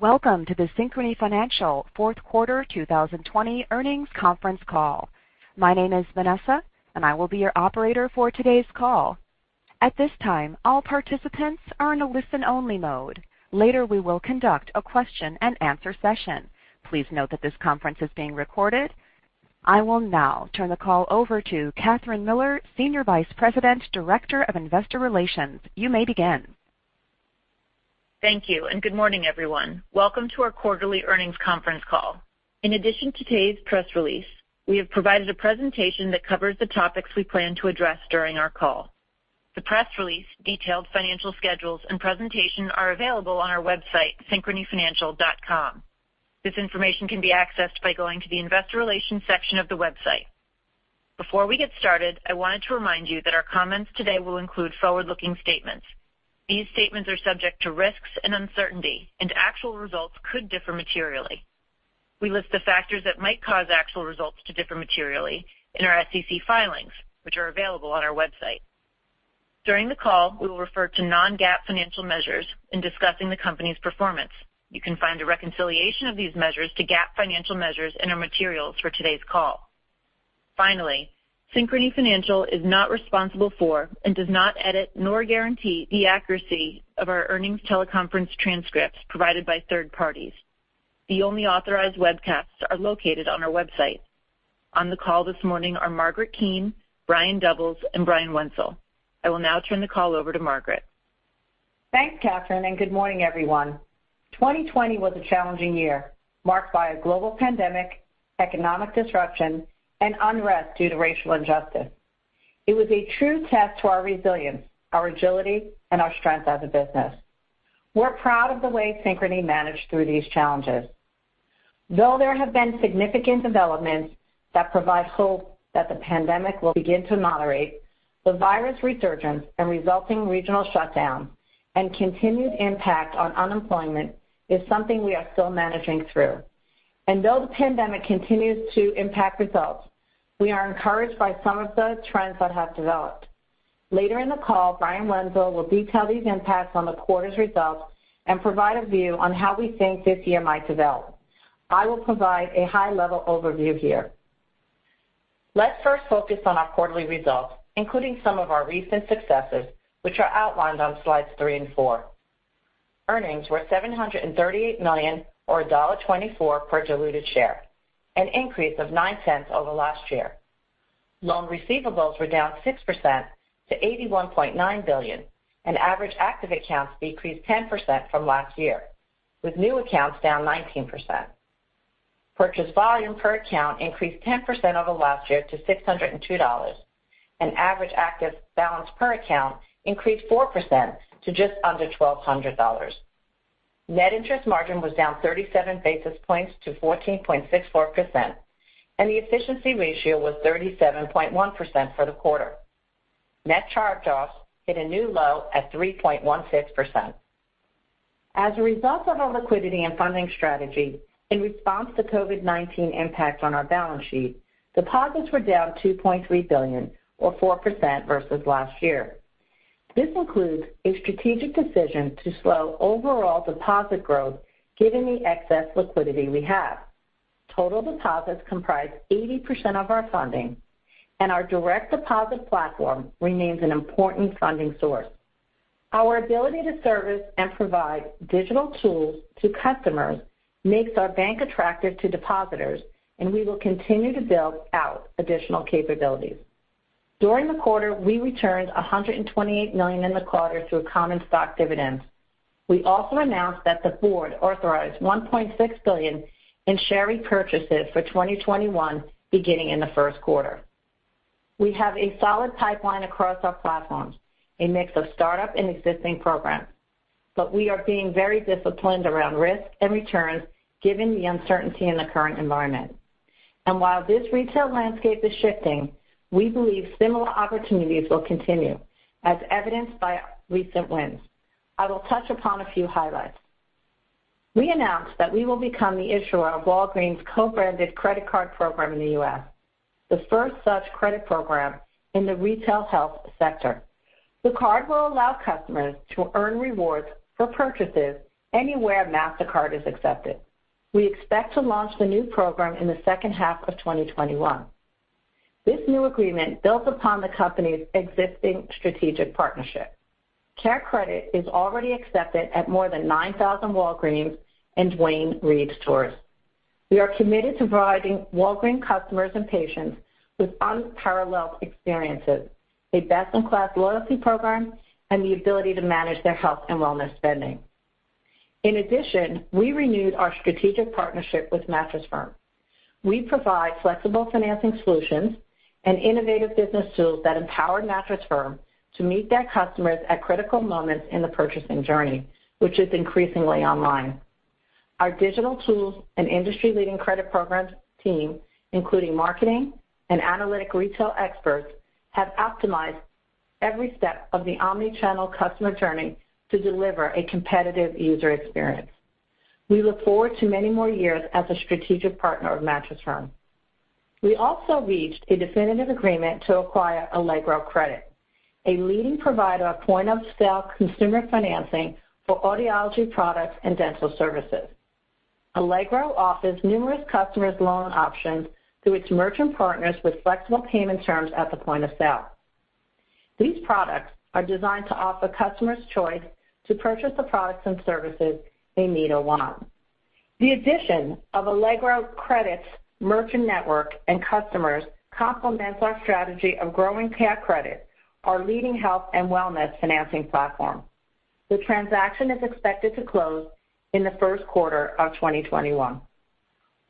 Welcome to the Synchrony Financial fourth quarter 2020 earnings conference call. My name is Vanessa, and I will be your operator for today's call. At this time, all participants are in a listen-only mode. Later, we will conduct a question and answer session. Please note that this conference is being recorded. I will now turn the call over to Kathryn Miller, Senior Vice President, Director of Investor Relations. You may begin. Thank you, and good morning, everyone. Welcome to our quarterly earnings conference call. In addition to today's press release, we have provided a presentation that covers the topics we plan to address during our call. The press release, detailed financial schedules, and presentation are available on our website, synchronyfinancial.com. This information can be accessed by going to the investor relations section of the website. Before we get started, I wanted to remind you that our comments today will include forward-looking statements. These statements are subject to risks and uncertainty, and actual results could differ materially. We list the factors that might cause actual results to differ materially in our SEC filings, which are available on our website. During the call, we will refer to non-GAAP financial measures in discussing the company's performance. You can find a reconciliation of these measures to GAAP financial measures in our materials for today's call. Synchrony Financial is not responsible for and does not edit nor guarantee the accuracy of our earnings teleconference transcripts provided by third parties. The only authorized webcasts are located on our website. On the call this morning are Margaret Keane, Brian Doubles, and Brian Wenzel. I will now turn the call over to Margaret. Thanks, Kathryn, good morning, everyone. 2020 was a challenging year, marked by a global pandemic, economic disruption, and unrest due to racial injustice. It was a true test to our resilience, our agility, and our strength as a business. We're proud of the way Synchrony managed through these challenges. Though there have been significant developments that provide hope that the pandemic will begin to moderate, the virus resurgence and resulting regional shutdown and continued impact on unemployment is something we are still managing through. Though the pandemic continues to impact results, we are encouraged by some of the trends that have developed. Later in the call, Brian Wenzel will detail these impacts on the quarter's results and provide a view on how we think this year might develop. I will provide a high-level overview here. Let's first focus on our quarterly results, including some of our recent successes, which are outlined on slides three and four. Earnings were $738 million, or $1.24 per diluted share, an increase of $0.09 over last year. Loan receivables were down 6% to $81.9 billion, and average active accounts decreased 10% from last year, with new accounts down 19%. Purchase volume per account increased 10% over last year to $602. Average active balance per account increased 4% to just under $1,200. Net interest margin was down 37 basis points to 14.64%, and the efficiency ratio was 37.1% for the quarter. Net charge-offs hit a new low at 3.16%. As a result of our liquidity and funding strategy in response to COVID-19 impact on our balance sheet, deposits were down $2.3 billion, or 4% versus last year. This includes a strategic decision to slow overall deposit growth given the excess liquidity we have. Total deposits comprise 80% of our funding, and our direct deposit platform remains an important funding source. Our ability to service and provide digital tools to customers makes our bank attractive to depositors, and we will continue to build out additional capabilities. During the quarter, we returned $128 million in the quarter through common stock dividends. We also announced that the board authorized $1.6 billion in share repurchases for 2021, beginning in the first quarter. We have a solid pipeline across our platforms, a mix of startup and existing programs. We are being very disciplined around risk and returns given the uncertainty in the current environment. While this retail landscape is shifting, we believe similar opportunities will continue, as evidenced by recent wins. I will touch upon a few highlights. We announced that we will become the issuer of Walgreens' co-branded credit card program in the U.S., the first such credit program in the retail health sector. The card will allow customers to earn rewards for purchases anywhere Mastercard is accepted. We expect to launch the new program in the second half of 2021. This new agreement builds upon the company's existing strategic partnership. CareCredit is already accepted at more than 9,000 Walgreens and Duane Reade stores. We are committed to providing Walgreens customers and patients with unparalleled experiences, a best-in-class loyalty program, and the ability to manage their health and wellness spending. In addition, we renewed our strategic partnership with Mattress Firm. We provide flexible financing solutions and innovative business tools that empower Mattress Firm to meet their customers at critical moments in the purchasing journey, which is increasingly online. Our digital tools and industry-leading credit programs team, including marketing and analytic retail experts, have optimized every step of the omni-channel customer journey to deliver a competitive user experience. We look forward to many more years as a strategic partner of Mattress Firm. We also reached a definitive agreement to acquire Allegro Credit, a leading provider of point-of-sale consumer financing for audiology products and dental services. Allegro offers numerous customers loan options through its merchant partners with flexible payment terms at the point of sale. These products are designed to offer customers choice to purchase the products and services they need or want. The addition of Allegro Credit's merchant network and customers complements our strategy of growing CareCredit, our leading health and wellness financing platform. The transaction is expected to close in the first quarter of 2021.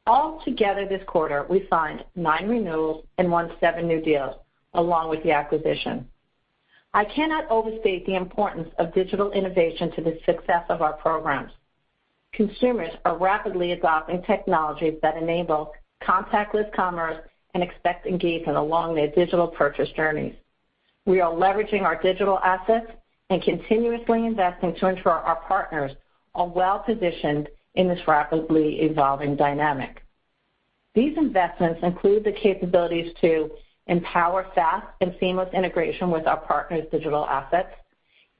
Altogether this quarter, we signed nine renewals and won seven new deals, along with the acquisition. I cannot overstate the importance of digital innovation to the success of our programs. Consumers are rapidly adopting technologies that enable contactless commerce and expect engagement along their digital purchase journeys. We are leveraging our digital assets and continuously investing to ensure our partners are well-positioned in this rapidly evolving dynamic. These investments include the capabilities to empower fast and seamless integration with our partners' digital assets,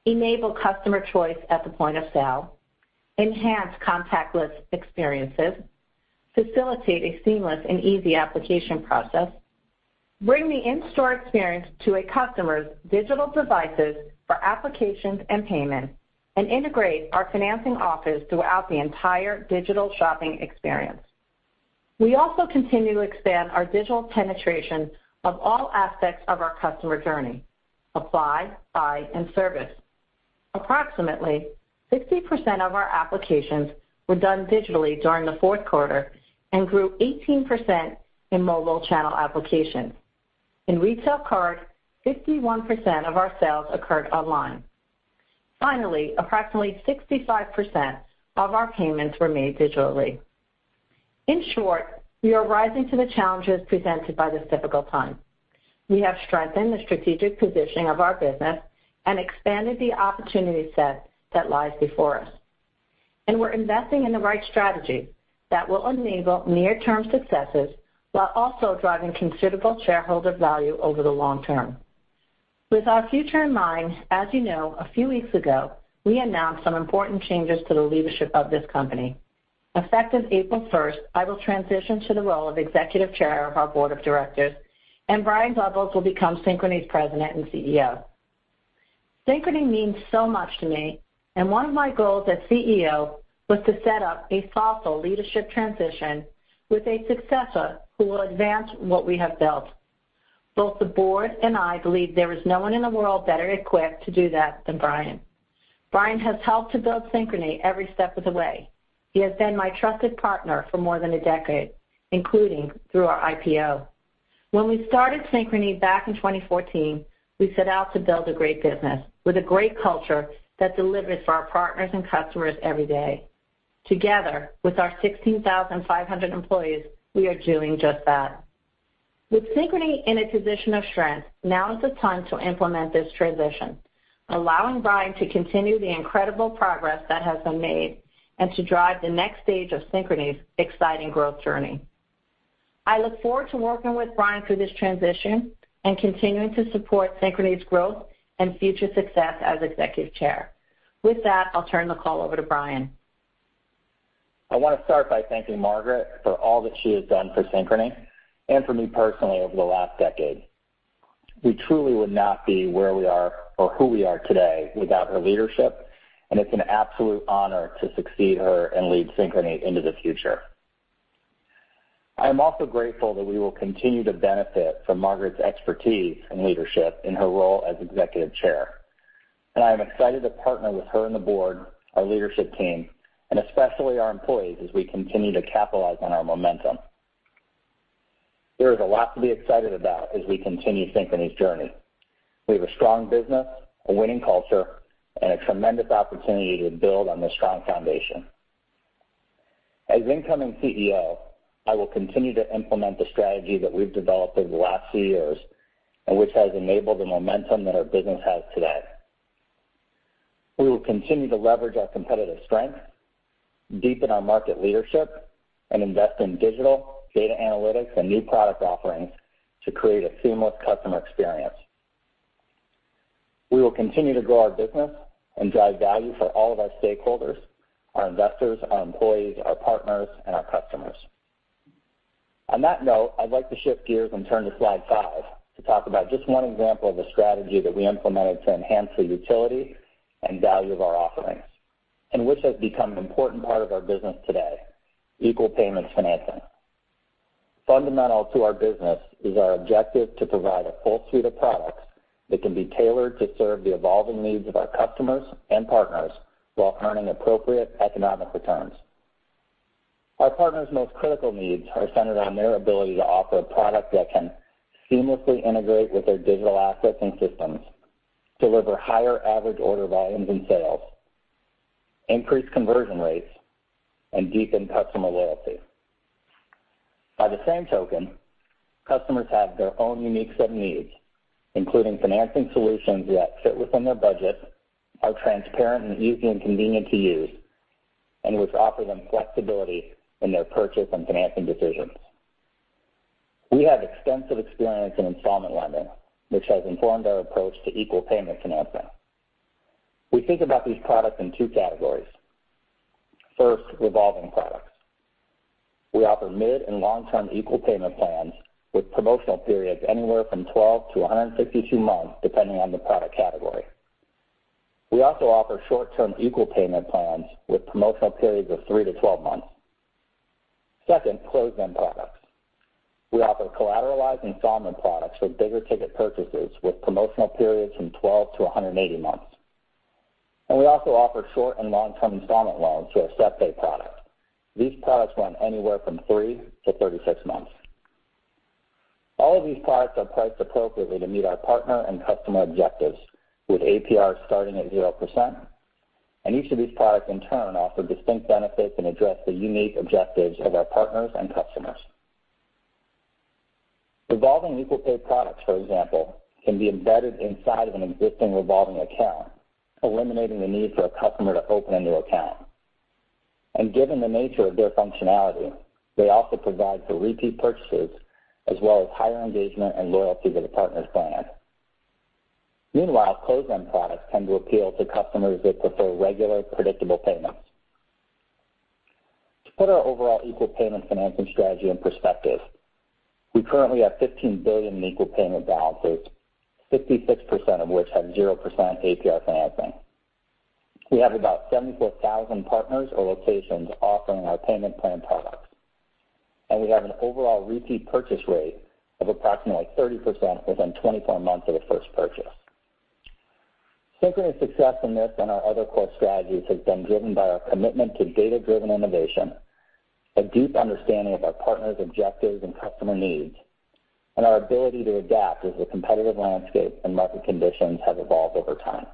enable customer choice at the point of sale, enhance contactless experiences, facilitate a seamless and easy application process, bring the in-store experience to a customer's digital devices for applications and payment, and integrate our financing offers throughout the entire digital shopping experience. We also continue to expand our digital penetration of all aspects of our customer journey: apply, buy, and service. Approximately 60% of our applications were done digitally during the fourth quarter and grew 18% in mobile channel applications. In Retail Card, 51% of our sales occurred online. Finally, approximately 65% of our payments were made digitally. In short, we are rising to the challenges presented by this difficult time. We have strengthened the strategic positioning of our business and expanded the opportunity set that lies before us. We're investing in the right strategy that will enable near-term successes while also driving considerable shareholder value over the long term. With our future in mind, as you know, a few weeks ago, we announced some important changes to the leadership of this company. Effective April 1st, I will transition to the role of Executive Chair of our Board of Directors, and Brian Doubles will become Synchrony's President and CEO. Synchrony means so much to me, and one of my goals as CEO was to set up a thoughtful leadership transition with a successor who will advance what we have built. Both the board and I believe there is no one in the world better equipped to do that than Brian. Brian has helped to build Synchrony every step of the way. He has been my trusted partner for more than a decade, including through our IPO. When we started Synchrony back in 2014, we set out to build a great business with a great culture that delivers for our partners and customers every day. Together, with our 16,500 employees, we are doing just that. With Synchrony in a position of strength, now is the time to implement this transition, allowing Brian to continue the incredible progress that has been made and to drive the next stage of Synchrony's exciting growth journey. I look forward to working with Brian through this transition and continuing to support Synchrony's growth and future success as Executive Chair. With that, I'll turn the call over to Brian. I want to start by thanking Margaret for all that she has done for Synchrony and for me personally over the last decade. We truly would not be where we are or who we are today without her leadership, and it's an absolute honor to succeed her and lead Synchrony into the future. I am also grateful that we will continue to benefit from Margaret's expertise and leadership in her role as Executive Chair. I am excited to partner with her and the board, our leadership team, and especially our employees as we continue to capitalize on our momentum. There is a lot to be excited about as we continue Synchrony's journey. We have a strong business, a winning culture, and a tremendous opportunity to build on this strong foundation. As incoming CEO, I will continue to implement the strategy that we've developed over the last few years and which has enabled the momentum that our business has today. We will continue to leverage our competitive strength, deepen our market leadership, and invest in digital data analytics and new product offerings to create a seamless customer experience. We will continue to grow our business and drive value for all of our stakeholders, our investors, our employees, our partners, and our customers. On that note, I'd like to shift gears and turn to slide five to talk about just one example of a strategy that we implemented to enhance the utility and value of our offerings and which has become an important part of our business today, Equal Payments Financing. Fundamental to our business is our objective to provide a full suite of products that can be tailored to serve the evolving needs of our customers and partners while earning appropriate economic returns. Our partners' most critical needs are centered on their ability to offer a product that can seamlessly integrate with their digital assets and systems, deliver higher average order volumes and sales, increase conversion rates, and deepen customer loyalty. By the same token, customers have their own unique set of needs, including financing solutions that fit within their budget, are transparent and easy and convenient to use, which offer them flexibility in their purchase and financing decisions. We have extensive experience in installment lending, which has informed our approach to Equal Payments Financing. We think about these products in two categories. First, revolving products. We offer mid and long-term equal payment plans with promotional periods anywhere from 12-162 months, depending on the product category. We also offer short-term equal payment plans with promotional periods of 3-12 months. Second, closed-end products. We offer collateralized installment products for bigger ticket purchases with promotional periods from 12-180 months, and we also offer short and long-term installment loans through our SetPay product. These products run anywhere from 3-36 months. All of these products are priced appropriately to meet our partner and customer objectives, with APRs starting at 0%, and each of these products, in turn, offer distinct benefits and address the unique objectives of our partners and customers. Revolving equal pay products, for example, can be embedded inside of an existing revolving account, eliminating the need for a customer to open a new account. Given the nature of their functionality, they also provide for repeat purchases, as well as higher engagement and loyalty to the partner's brand. Meanwhile, closed-end products tend to appeal to customers that prefer regular, predictable payments. To put our overall Equal Payments Financing strategy in perspective, we currently have $15 billion in equal payment balances, 66% of which have 0% APR financing. We have about 74,000 partners or locations offering our payment plan products, and we have an overall repeat purchase rate of approximately 30% within 24 months of the first purchase. Synchrony's success in this and our other core strategies has been driven by our commitment to data-driven innovation, a deep understanding of our partners' objectives and customer needs, and our ability to adapt as the competitive landscape and market conditions have evolved over time.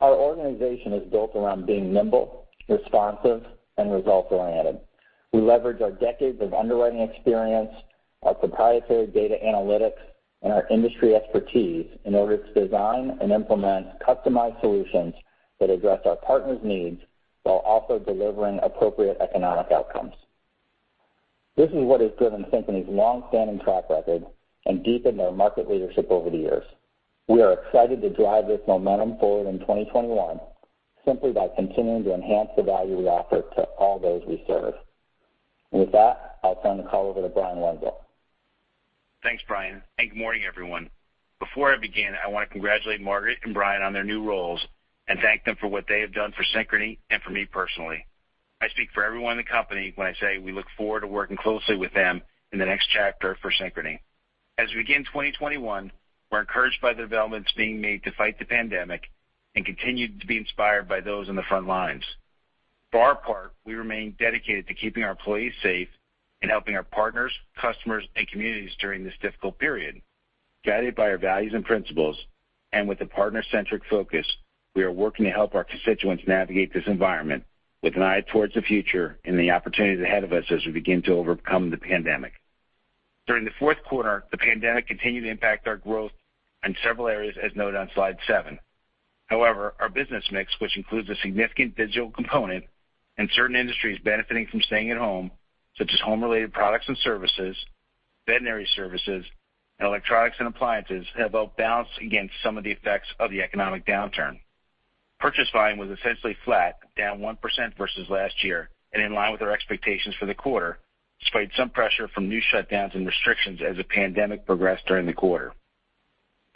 Our organization is built around being nimble, responsive, and results-oriented. We leverage our decades of underwriting experience, our proprietary data analytics, and our industry expertise in order to design and implement customized solutions that address our partners' needs while also delivering appropriate economic outcomes. This is what has driven Synchrony's long-standing track record and deepened their market leadership over the years. We are excited to drive this momentum forward in 2021 simply by continuing to enhance the value we offer to all those we serve. With that, I'll turn the call over to Brian Wenzel. Thanks, Brian. Good morning, everyone. Before I begin, I want to congratulate Margaret and Brian on their new roles and thank them for what they have done for Synchrony Financial and for me personally. I speak for everyone in the company when I say we look forward to working closely with them in the next chapter for Synchrony Financial. As we begin 2021, we're encouraged by the developments being made to fight the pandemic and continue to be inspired by those on the front lines. For our part, we remain dedicated to keeping our employees safe and helping our partners, customers, and communities during this difficult period. Guided by our values and principles, and with a partner-centric focus, we are working to help our constituents navigate this environment with an eye towards the future and the opportunities ahead of us as we begin to overcome the pandemic. During the fourth quarter, the pandemic continued to impact our growth in several areas, as noted on slide seven. However, our business mix, which includes a significant digital component and certain industries benefiting from staying at home, such as home-related products and services, veterinary services, and electronics and appliances, have helped balance against some of the effects of the economic downturn. Purchase volume was essentially flat, down 1% versus last year, and in line with our expectations for the quarter, despite some pressure from new shutdowns and restrictions as the pandemic progressed during the quarter.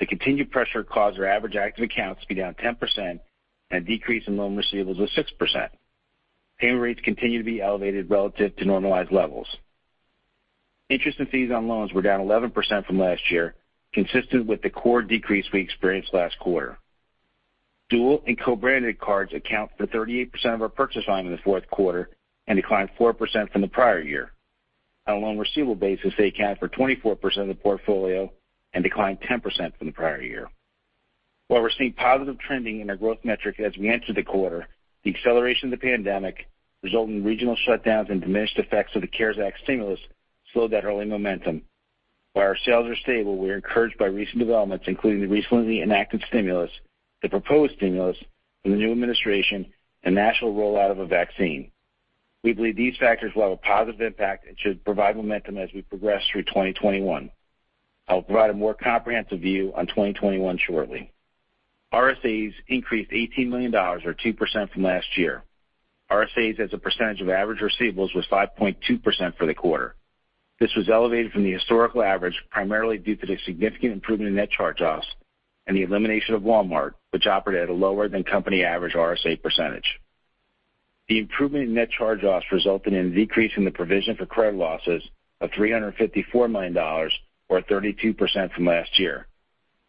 The continued pressure caused our average active accounts to be down 10% and a decrease in loan receivables of 6%. Payment rates continue to be elevated relative to normalized levels. Interest and fees on loans were down 11% from last year, consistent with the core decrease we experienced last quarter. Dual and co-branded cards account for 38% of our purchase volume in the fourth quarter and declined 4% from the prior year. On a loan receivable basis, they account for 24% of the portfolio and declined 10% from the prior year. While we're seeing positive trending in our growth metric as we enter the quarter, the acceleration of the pandemic, resulting in regional shutdowns and diminished effects of the CARES Act stimulus, slowed that early momentum. While our sales are stable, we are encouraged by recent developments, including the recently enacted stimulus, the proposed stimulus from the new administration, and national rollout of a vaccine. We believe these factors will have a positive impact and should provide momentum as we progress through 2021. I'll provide a more comprehensive view on 2021 shortly. RSAs increased $18 million, or 2%, from last year. RSAs as a percentage of average receivables was 5.2% for the quarter. This was elevated from the historical average, primarily due to the significant improvement in net charge-offs and the elimination of Walmart, which operated at a lower than company average RSA percentage. The improvement in net charge-offs resulted in a decrease in the provision for credit losses of $354 million, or 32% from last year.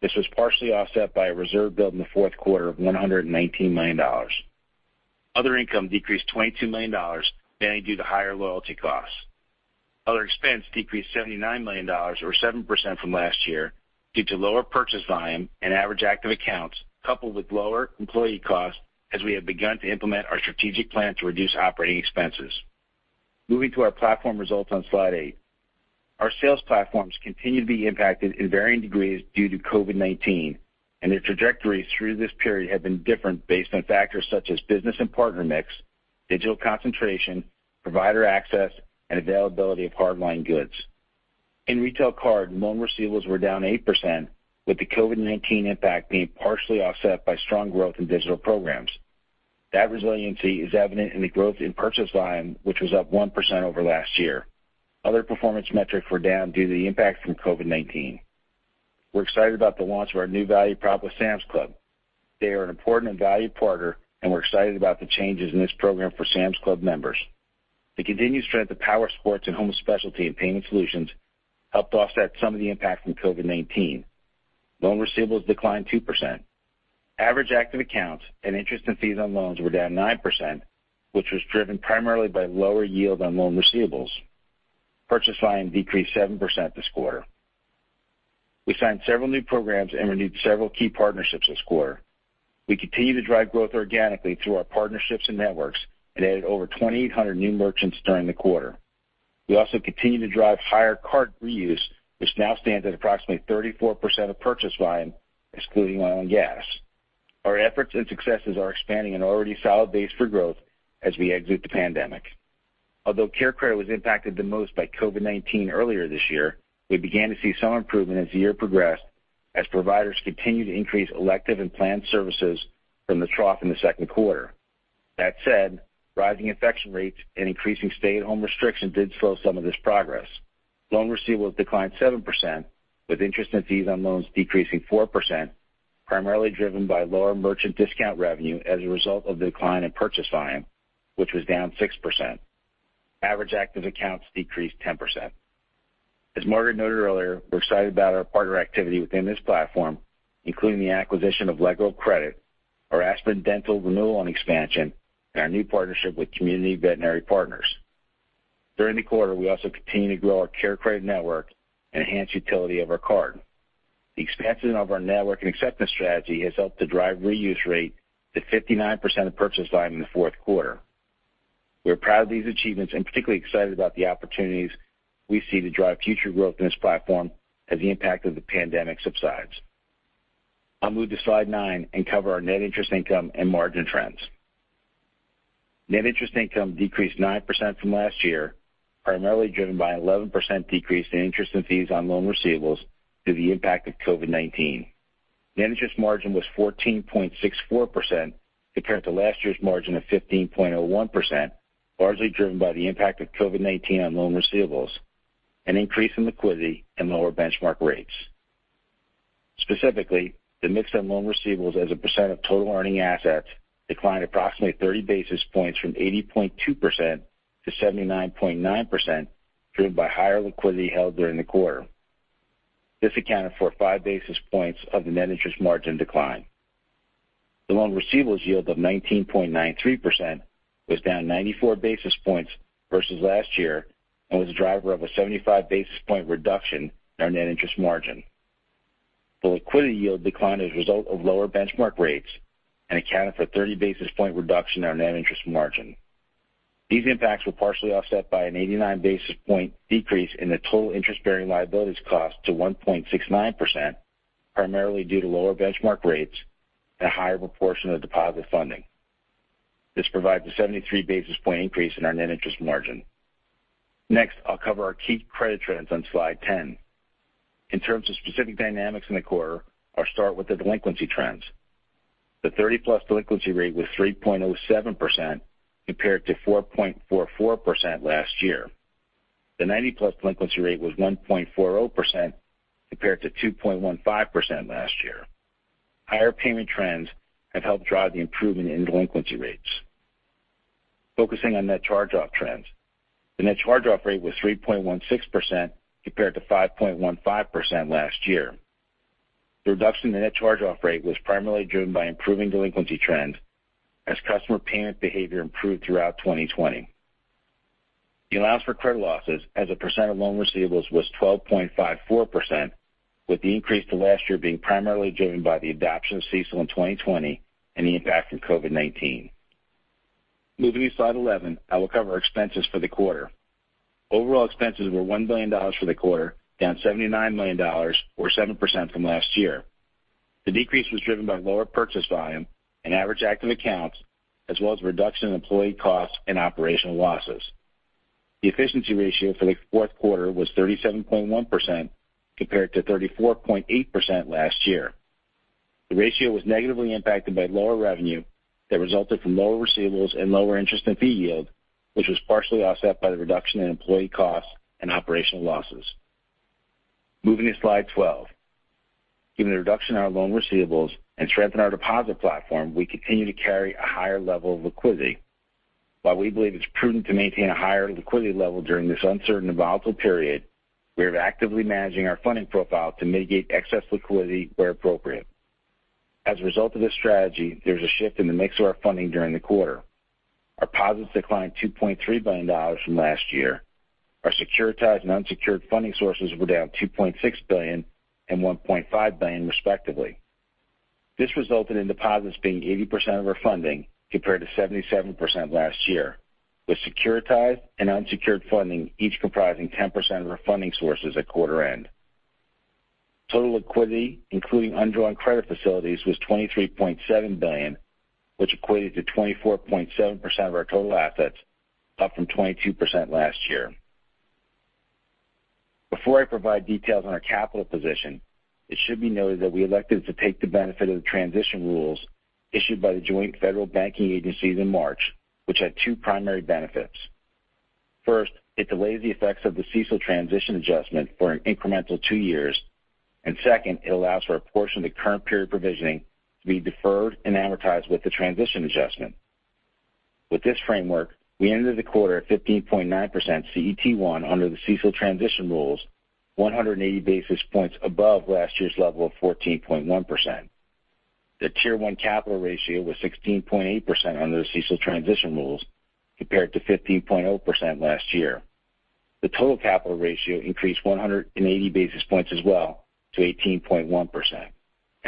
This was partially offset by a reserve build in the fourth quarter of $119 million. Other income decreased $22 million, mainly due to higher loyalty costs. Other expense decreased $79 million, or 7% from last year, due to lower purchase volume and average active accounts, coupled with lower employee costs as we have begun to implement our strategic plan to reduce operating expenses. Moving to our platform results on slide eight. Our sales platforms continue to be impacted in varying degrees due to COVID-19, their trajectories through this period have been different based on factors such as business and partner mix, digital concentration, provider access, and availability of hard line goods. In retail card, loan receivables were down 8%, with the COVID-19 impact being partially offset by strong growth in digital programs. That resiliency is evident in the growth in purchase volume, which was up 1% over last year. Other performance metrics were down due to the impact from COVID-19. We're excited about the launch of our new value prop with Sam's Club. They are an important and valued partner, we're excited about the changes in this program for Sam's Club members. The continued strength of power sports and home specialty and Payment solutions helped offset some of the impact from COVID-19. Loan receivables declined 2%. Average active accounts and interest and fees on loans were down 9%, which was driven primarily by lower yield on loan receivables. Purchase volume decreased 7% this quarter. We signed several new programs and renewed several key partnerships this quarter. We continue to drive growth organically through our partnerships and networks and added over 2,800 new merchants during the quarter. We also continue to drive higher card reuse, which now stands at approximately 34% of purchase volume, excluding oil and gas. Our efforts and successes are expanding an already solid base for growth as we exit the pandemic. Although CareCredit was impacted the most by COVID-19 earlier this year, we began to see some improvement as the year progressed, as providers continued to increase elective and planned services from the trough in the second quarter. That said, rising infection rates and increasing stay-at-home restrictions did slow some of this progress. Loan receivables declined 7%, with interest and fees on loans decreasing 4%, primarily driven by lower merchant discount revenue as a result of the decline in purchase volume, which was down 6%. Average active accounts decreased 10%. As Margaret noted earlier, we're excited about our partner activity within this platform, including the acquisition of Allegro Credit, our Aspen Dental renewal and expansion, and our new partnership with Community Veterinary Partners. During the quarter, we also continued to grow our CareCredit network and enhance utility of our card. The expansion of our network and acceptance strategy has helped to drive reuse rate to 59% of purchase volume in the fourth quarter. We are proud of these achievements and particularly excited about the opportunities we see to drive future growth in this platform as the impact of the pandemic subsides. I'll move to slide nine and cover our net interest income and margin trends. Net interest income decreased 9% from last year, primarily driven by an 11% decrease in interest and fees on loan receivables due to the impact of COVID-19. Net interest margin was 14.64%, compared to last year's margin of 15.01%, largely driven by the impact of COVID-19 on loan receivables, an increase in liquidity, and lower benchmark rates. Specifically, the mix of loan receivables as a percent of total earning assets declined approximately 30 basis points from 80.2% to 79.9%, driven by higher liquidity held during the quarter. This accounted for five basis points of the net interest margin decline. The loan receivables yield of 19.93% was down 94 basis points versus last year and was a driver of a 75 basis point reduction in our net interest margin. The liquidity yield declined as a result of lower benchmark rates and accounted for a 30 basis point reduction in our net interest margin. These impacts were partially offset by an 89 basis point decrease in the total interest-bearing liabilities cost to 1.69%, primarily due to lower benchmark rates and a higher proportion of deposit funding. This provided a 73 basis point increase in our net interest margin. Next, I'll cover our key credit trends on slide 10. In terms of specific dynamics in the quarter, I'll start with the delinquency trends. The 30+ delinquency rate was 3.07%, compared to 4.44% last year. The 90-plus delinquency rate was 1.40%, compared to 2.15% last year. Higher payment trends have helped drive the improvement in delinquency rates. Focusing on net charge-off trends, the net charge-off rate was 3.16%, compared to 5.15% last year. The reduction in net charge-off rate was primarily driven by improving delinquency trends as customer payment behavior improved throughout 2020. The allowance for credit losses as a percent of loan receivables was 12.54%, with the increase to last year being primarily driven by the adoption of CECL in 2020 and the impact from COVID-19. Moving to slide 11, I will cover our expenses for the quarter. Overall expenses were $1 billion for the quarter, down $79 million, or 7%, from last year. The decrease was driven by lower purchase volume and average active accounts, as well as a reduction in employee costs and operational losses. The efficiency ratio for the fourth quarter was 37.1%, compared to 34.8% last year. The ratio was negatively impacted by lower revenue that resulted from lower receivables and lower interest and fee yield, which was partially offset by the reduction in employee costs and operational losses. Moving to slide 12. Given the reduction in our loan receivables and strength in our deposit platform, we continue to carry a higher level of liquidity. While we believe it's prudent to maintain a higher liquidity level during this uncertain and volatile period, we are actively managing our funding profile to mitigate excess liquidity where appropriate. As a result of this strategy, there was a shift in the mix of our funding during the quarter. Our deposits declined $2.3 billion from last year. Our securitized and unsecured funding sources were down $2.6 billion and $1.5 billion, respectively. This resulted in deposits being 80% of our funding, compared to 77% last year, with securitized and unsecured funding each comprising 10% of our funding sources at quarter end. Total liquidity, including undrawn credit facilities, was $23.7 billion, which equated to 24.7% of our total assets, up from 22% last year. Before I provide details on our capital position, it should be noted that we elected to take the benefit of the transition rules issued by the joint federal banking agencies in March, which had two primary benefits. First, it delays the effects of the CECL transition adjustment for an incremental two years. Second, it allows for a portion of the current period provisioning to be deferred and amortized with the transition adjustment. With this framework, we ended the quarter at 15.9% CET1 under the CECL transition rules, 180 basis points above last year's level of 14.1%. The Tier 1 capital ratio was 16.8% under the CECL transition rules, compared to 15.0% last year. The total capital ratio increased 180 basis points as well to 18.1%.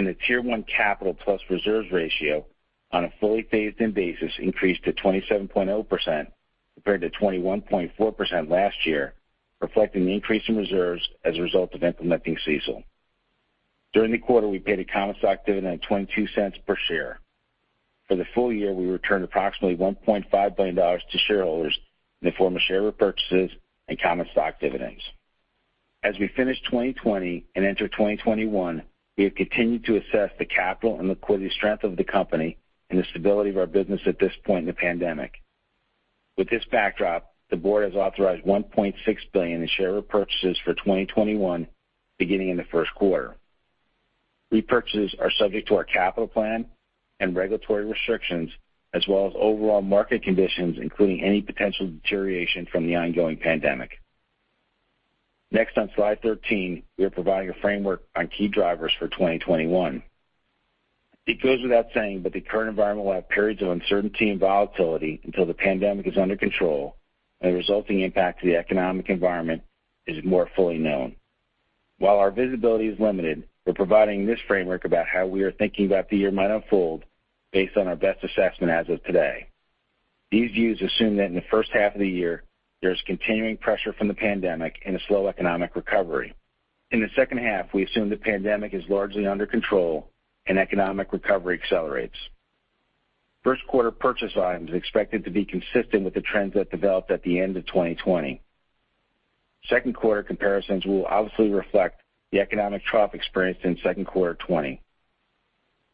The Tier 1 capital plus reserves ratio on a fully phased-in basis increased to 27.0%, compared to 21.4% last year, reflecting the increase in reserves as a result of implementing CECL. During the quarter, we paid a common stock dividend of $0.22 per share. For the full year, we returned approximately $1.5 billion to shareholders in the form of share repurchases and common stock dividends. As we finish 2020 and enter 2021, we have continued to assess the capital and liquidity strength of the company and the stability of our business at this point in the pandemic. With this backdrop, the board has authorized $1.6 billion in share repurchases for 2021, beginning in the first quarter. Repurchases are subject to our capital plan and regulatory restrictions, as well as overall market conditions, including any potential deterioration from the ongoing pandemic. Next on slide 13, we are providing a framework on key drivers for 2021. It goes without saying, but the current environment will have periods of uncertainty and volatility until the pandemic is under control and the resulting impact to the economic environment is more fully known. While our visibility is limited, we're providing this framework about how we are thinking about the year might unfold based on our best assessment as of today. These views assume that in the first half of the year, there is continuing pressure from the pandemic and a slow economic recovery. In the second half, we assume the pandemic is largely under control and economic recovery accelerates. First quarter purchase volume is expected to be consistent with the trends that developed at the end of 2020. Second quarter comparisons will obviously reflect the economic trough experienced in second quarter 2020.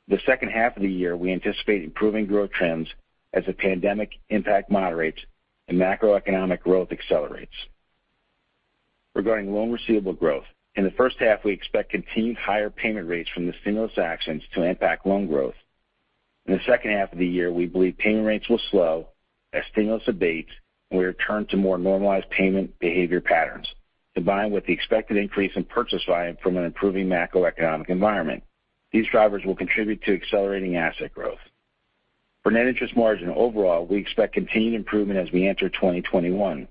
The second half of the year, we anticipate improving growth trends as the pandemic impact moderates and macroeconomic growth accelerates. Regarding loan receivable growth, in the first half, we expect continued higher payment rates from the stimulus actions to impact loan growth. In the second half of the year, we believe payment rates will slow as stimulus abates, and we return to more normalized payment behavior patterns. Combined with the expected increase in purchase volume from an improving macroeconomic environment, these drivers will contribute to accelerating asset growth. For net interest margin overall, we expect continued improvement as we enter 2021.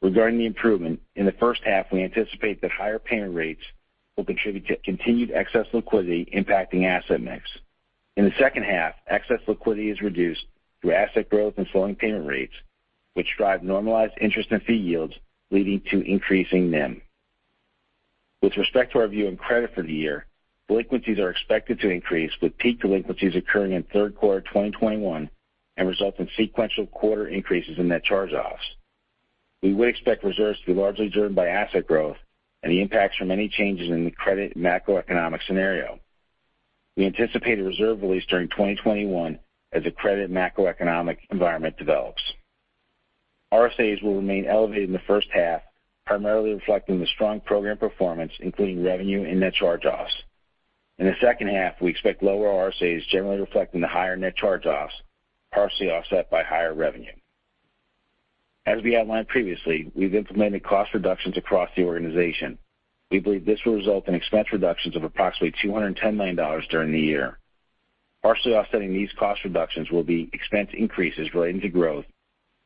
Regarding the improvement, in the first half, we anticipate that higher payment rates will contribute to continued excess liquidity impacting asset mix. In the second half, excess liquidity is reduced through asset growth and slowing payment rates, which drive normalized interest and fee yields, leading to increasing NIM. With respect to our view on credit for the year, delinquencies are expected to increase, with peak delinquencies occurring in third quarter 2021 and result in sequential quarter increases in net charge-offs. We would expect reserves to be largely driven by asset growth and the impacts from any changes in the credit and macroeconomic scenario. We anticipate a reserve release during 2021 as the credit and macroeconomic environment develops. RSAs will remain elevated in the first half, primarily reflecting the strong program performance, including revenue and net charge-offs. In the second half, we expect lower RSAs, generally reflecting the higher net charge-offs, partially offset by higher revenue. As we outlined previously, we've implemented cost reductions across the organization. We believe this will result in expense reductions of approximately $210 million during the year. Partially offsetting these cost reductions will be expense increases relating to growth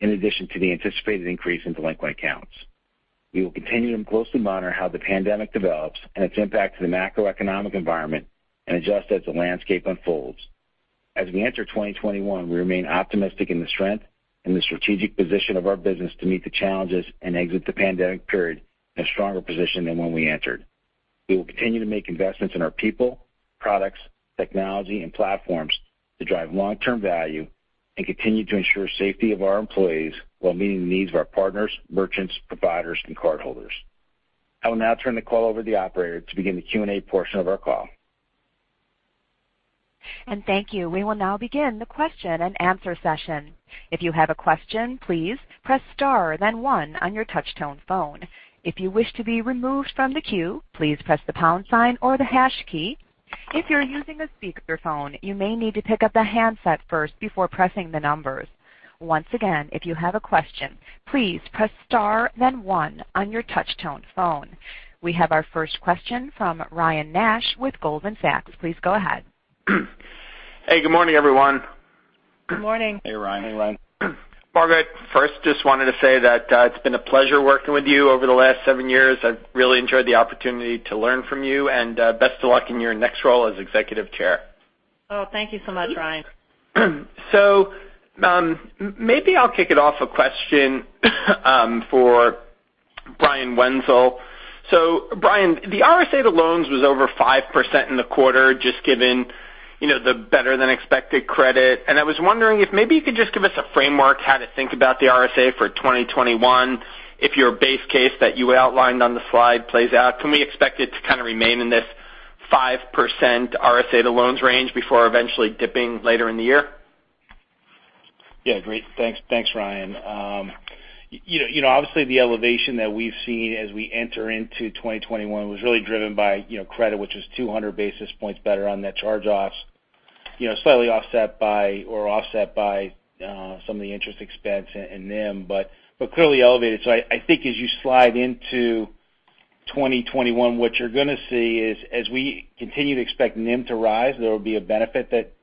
in addition to the anticipated increase in delinquent counts. We will continue to closely monitor how the pandemic develops and its impact to the macroeconomic environment and adjust as the landscape unfolds. As we enter 2021, we remain optimistic in the strength and the strategic position of our business to meet the challenges and exit the pandemic period in a stronger position than when we entered. We will continue to make investments in our people, products, technology, and platforms to drive long-term value and continue to ensure safety of our employees while meeting the needs of our partners, merchants, providers, and cardholders. I will now turn the call over to the operator to begin the Q&A portion of our call. Thank you. We will now begin the question and answer session. If you have a question, please press star then one on your touch tone phone. If you wish to be removed from the queue, please press the pound sign or the hash key. If you're using a speakerphone, you may need to pick up the handset first before pressing the numbers. Once again, if you have a question, please press star then one on your touch tone phone. We have our first question from Ryan Nash with Goldman Sachs. Please go ahead. Hey, good morning, everyone. Good morning. Hey, Ryan. Hey, Ryan. Margaret, first, just wanted to say that it's been a pleasure working with you over the last seven years. I've really enjoyed the opportunity to learn from you, and best of luck in your next role as Executive Chair. Oh, thank you so much, Ryan. Maybe I'll kick it off a question for Brian Wenzel. Brian, the RSA to loans was over 5% in the quarter, just given the better-than-expected credit. I was wondering if maybe you could just give us a framework how to think about the RSA for 2021. If your base case that you outlined on the slide plays out, can we expect it to kind of remain in this 5% RSA to loans range before eventually dipping later in the year? Yeah. Great. Thanks, Ryan. Obviously, the elevation that we've seen as we enter into 2021 was really driven by credit. Which is 200 basis points better on net charge-offs, slightly offset by some of the interest expense and NIM, but clearly elevated. I think as you slide into 2021, what you're going to see is, as we continue to expect NIM to rise, there will be a benefit that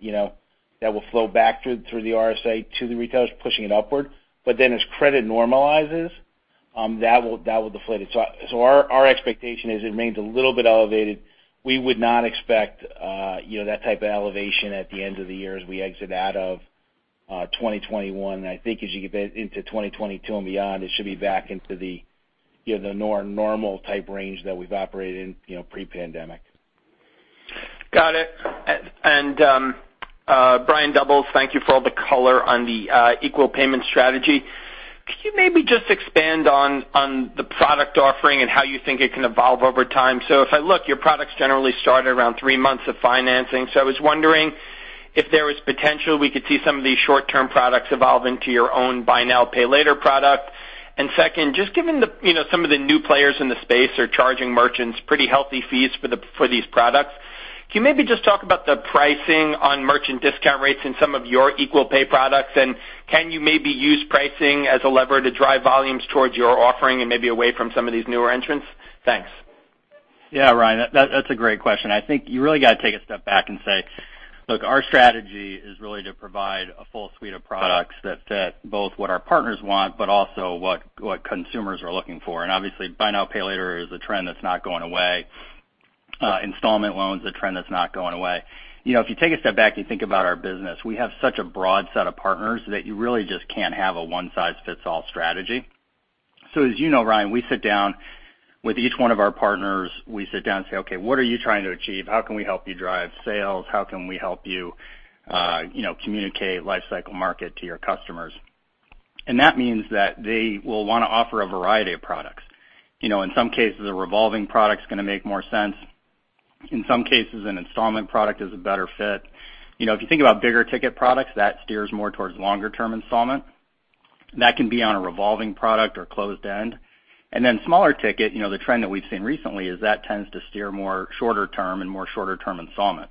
will flow back through the RSA to the retailers, pushing it upward. As credit normalizes, that will deflate it. Our expectation is it remains a little bit elevated. We would not expect that type of elevation at the end of the year as we exit out of 2021. I think as you get into 2022 and beyond, it should be back into the more normal type range that we've operated in pre-pandemic. Got it. Brian Doubles, thank you for all the color on the Equal Payment strategy. Could you maybe just expand on the product offering and how you think it can evolve over time? If I look, your products generally start around three months of financing. I was wondering if there was potential we could see some of these short-term products evolve into your own buy now, pay later product. Second, just given some of the new players in the space are charging merchants pretty healthy fees for these products. Can you maybe just talk about the pricing on merchant discount rates in some of your Equal Pay products? Can you maybe use pricing as a lever to drive volumes towards your offering and maybe away from some of these newer entrants? Thanks. Yeah, Ryan, that's a great question. I think you really got to take a step back and say, look, our strategy is really to provide a full suite of products that fit both what our partners want, also what consumers are looking for. Obviously, buy now, pay later is a trend that's not going away. Installment loans is a trend that's not going away. If you take a step back and you think about our business, we have such a broad set of partners that you really just can't have a one-size-fits-all strategy. As you know, Ryan, with each one of our partners, we sit down and say, "Okay, what are you trying to achieve? How can we help you drive sales? How can we help you communicate life cycle market to your customers?" That means that they will want to offer a variety of products. In some cases, a revolving product's going to make more sense. In some cases, an installment product is a better fit. If you think about bigger ticket products, that steers more towards longer-term installment. That can be on a revolving product or closed end. Smaller ticket, the trend that we've seen recently is that tends to steer more shorter term and more shorter term installment.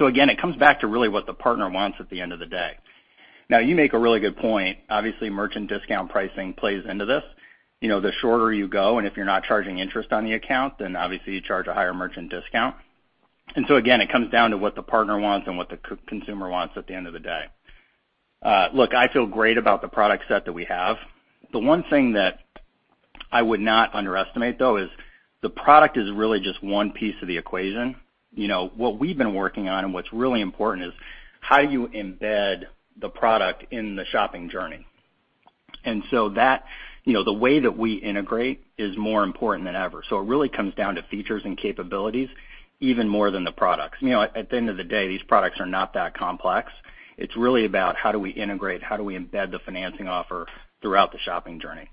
Again, it comes back to really what the partner wants at the end of the day. Now, you make a really good point. Obviously, merchant discount pricing plays into this. The shorter you go, and if you're not charging interest on the account, then obviously you charge a higher merchant discount. Again, it comes down to what the partner wants and what the consumer wants at the end of the day. Look, I feel great about the product set that we have. The one thing that I would not underestimate, though, is the product is really just one piece of the equation. What we've been working on and what's really important is how you embed the product in the shopping journey. The way that we integrate is more important than ever. It really comes down to features and capabilities even more than the products. At the end of the day, these products are not that complex. It's really about how do we integrate, how do we embed the financing offer throughout the shopping journey.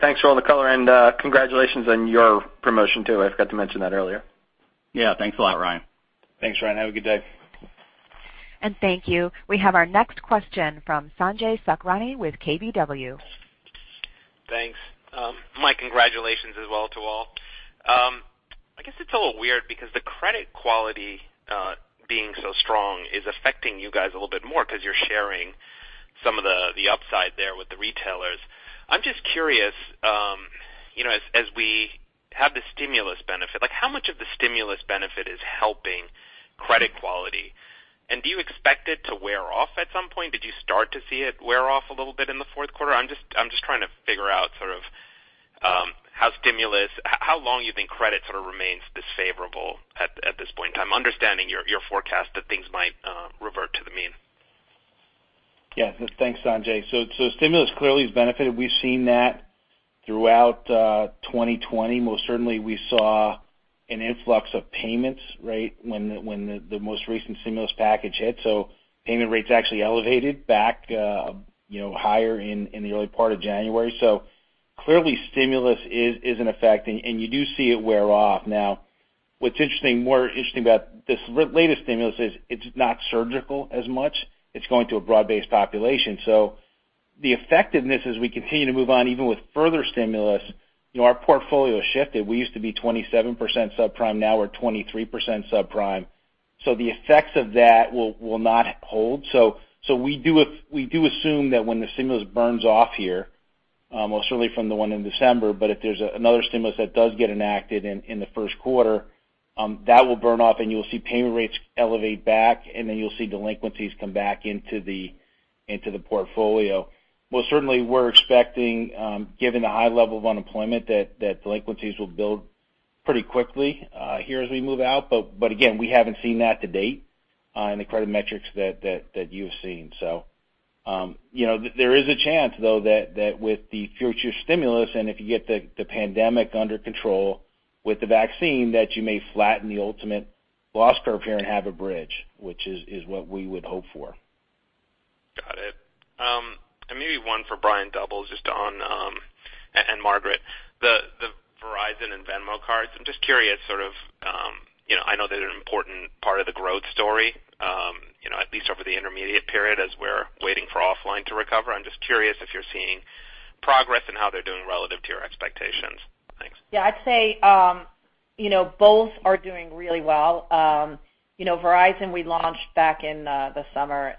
Thanks for all the color, and congratulations on your promotion, too. I forgot to mention that earlier. Yeah. Thanks a lot, Ryan. Thanks, Ryan. Have a good day. Thank you. We have our next question from Sanjay Sakhrani with KBW. Thanks. My congratulations as well to all. I guess it's a little weird because the credit quality being so strong is affecting you guys a little bit more because you're sharing some of the upside there with the retailers. I'm just curious, as we have the stimulus benefit, how much of the stimulus benefit is helping credit quality? Do you expect it to wear off at some point? Did you start to see it wear off a little bit in the fourth quarter? I'm just trying to figure out sort of how long you think credit sort of remains this favorable at this point in time, understanding your forecast that things might revert to the mean. Yeah. Thanks, Sanjay. Stimulus clearly has benefited. We've seen that throughout 2020. Most certainly, we saw an influx of payments rate when the most recent stimulus package hit. Payment rates actually elevated back higher in the early part of January. Clearly stimulus is in effect, and you do see it wear off. Now what's more interesting about this latest stimulus is it's not surgical as much. It's going to a broad-based population. The effectiveness as we continue to move on, even with further stimulus, our portfolio shifted. We used to be 27% subprime, now we're 23% subprime. The effects of that will not hold. We do assume that when the stimulus burns off here. Well, certainly from the one in December, but if there's another stimulus that does get enacted in the first quarter, that will burn off and you'll see payment rates elevate back, and then you'll see delinquencies come back into the portfolio. Well, certainly we're expecting given the high level of unemployment that delinquencies will build pretty quickly here as we move out. Again, we haven't seen that to date in the credit metrics that you've seen. There is a chance though that with the future stimulus, and if you get the pandemic under control with the vaccine, that you may flatten the ultimate loss curve here and have a bridge, which is what we would hope for. Got it. Maybe one for Brian Doubles just on, and Margaret Keane, the Verizon and Venmo cards. I'm just curious. I know they're an important part of the growth story at least over the intermediate period as we're waiting for offline to recover. I'm just curious if you're seeing progress in how they're doing relative to your expectations. Thanks. Yeah, I'd say both are doing really well. Verizon we launched back in the summer.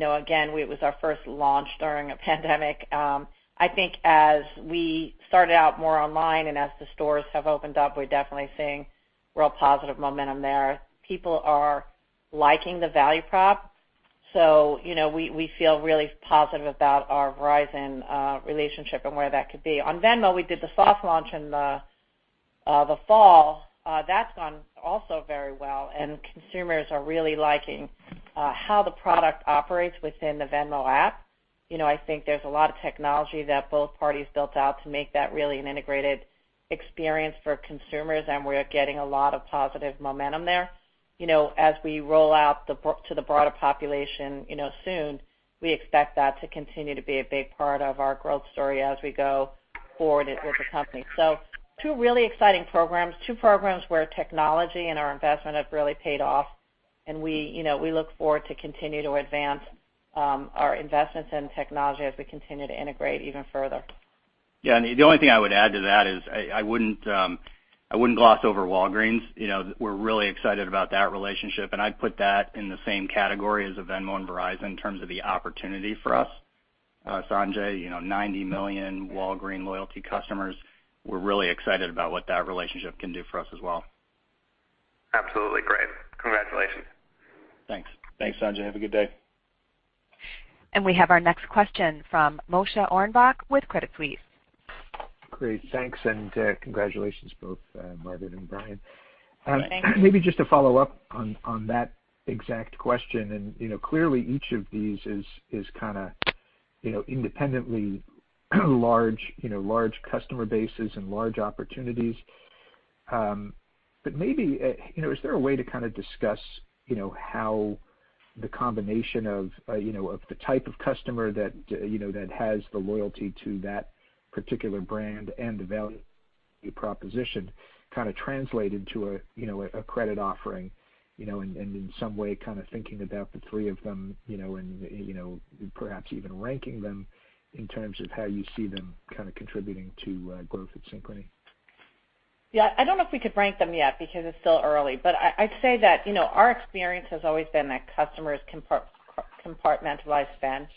Again, it was our first launch during a pandemic. I think as we started out more online. As the stores have opened up, we're definitely seeing real positive momentum there. People are liking the value prop. We feel really positive about our Verizon relationship and where that could be. On Venmo, we did the soft launch in the fall. That's gone also very well. Consumers are really liking how the product operates within the Venmo app. I think there's a lot of technology that both parties built out to make that really an integrated experience for consumers. We're getting a lot of positive momentum there. As we roll out to the broader population soon, we expect that to continue to be a big part of our growth story as we go forward with the company. Two really exciting programs. Two programs where technology and our investment have really paid off, and we look forward to continue to advance our investments in technology as we continue to integrate even further. Yeah. The only thing I would add to that is I wouldn't gloss over Walgreens. We're really excited about that relationship. I'd put that in the same category as a Venmo and Verizon in terms of the opportunity for us. Sanjay, 90 million Walgreens loyalty customers. We're really excited about what that relationship can do for us as well. Absolutely. Great. Congratulations. Thanks. Thanks, Sanjay. Have a good day. We have our next question from Moshe Orenbuch with Credit Suisse. Great. Thanks, and congratulations both Margaret and Brian. Thanks. Maybe just to follow up on that exact question, and clearly each of these is kind of independently large customer bases and large opportunities. Maybe is there a way to kind of discuss how the combination of the type of customer that has the loyalty to that particular brand and the value proposition kind of translated to a credit offering, and in some way kind of thinking about the three of them and perhaps even ranking them in terms of how you see them kind of contributing to growth at Synchrony? Yeah. I don't know if we could rank them yet because it's still early, but I'd say that our experience has always been that customers compartmentalize spend.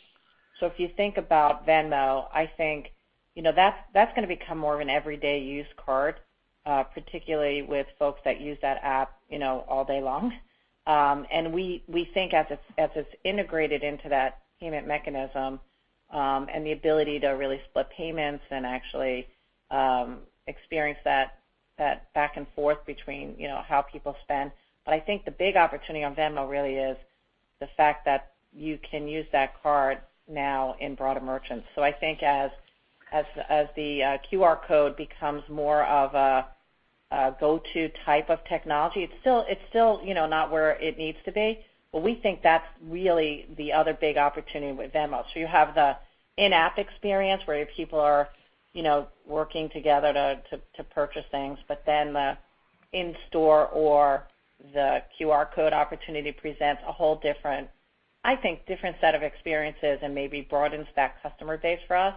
If you think about Venmo, I think that's going to become more of an everyday use card, particularly with folks that use that app all day long. We think as it's integrated into that payment mechanism, and the ability to really split payments and actually experience that back and forth between how people spend. I think the big opportunity on Venmo really is the fact that you can use that card now in broader merchants. I think as the QR code becomes more of a go-to type of technology, it's still not where it needs to be. We think that's really the other big opportunity with Venmo. You have the in-app experience where people are working together to purchase things, but then the in-store or the QR code opportunity presents I think different set of experiences and maybe broadens that customer base for us.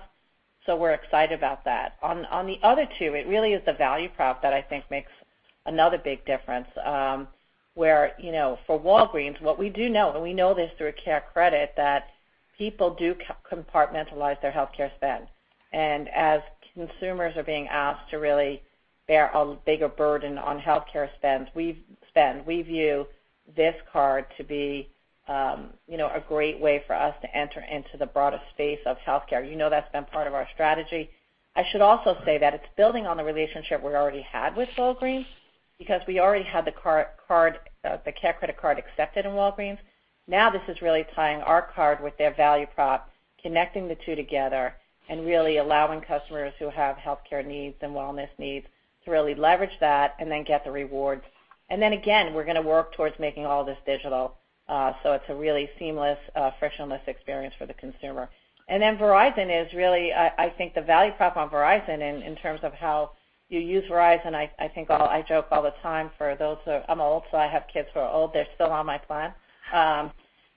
We're excited about that. On the other two, it really is the value prop that I think makes another big difference. Where for Walgreens, what we do know, and we know this through CareCredit, that people do compartmentalize their healthcare spend. As consumers are being asked to really bear a bigger burden on healthcare spend, we view this card to be a great way for us to enter into the broader space of healthcare. You know that's been part of our strategy. I should also say that it's building on the relationship we already had with Walgreens because we already had the CareCredit card accepted in Walgreens. This is really tying our card with their value prop, connecting the two together, and really allowing customers who have healthcare needs and wellness needs to really leverage that and then get the rewards. Again, we're going to work towards making all this digital so it's a really seamless, frictionless experience for the consumer. Verizon is really, I think the value prop on Verizon in terms of how you use Verizon, I think I joke all the time for those I'm old, so I have kids who are old. They're still on my plan.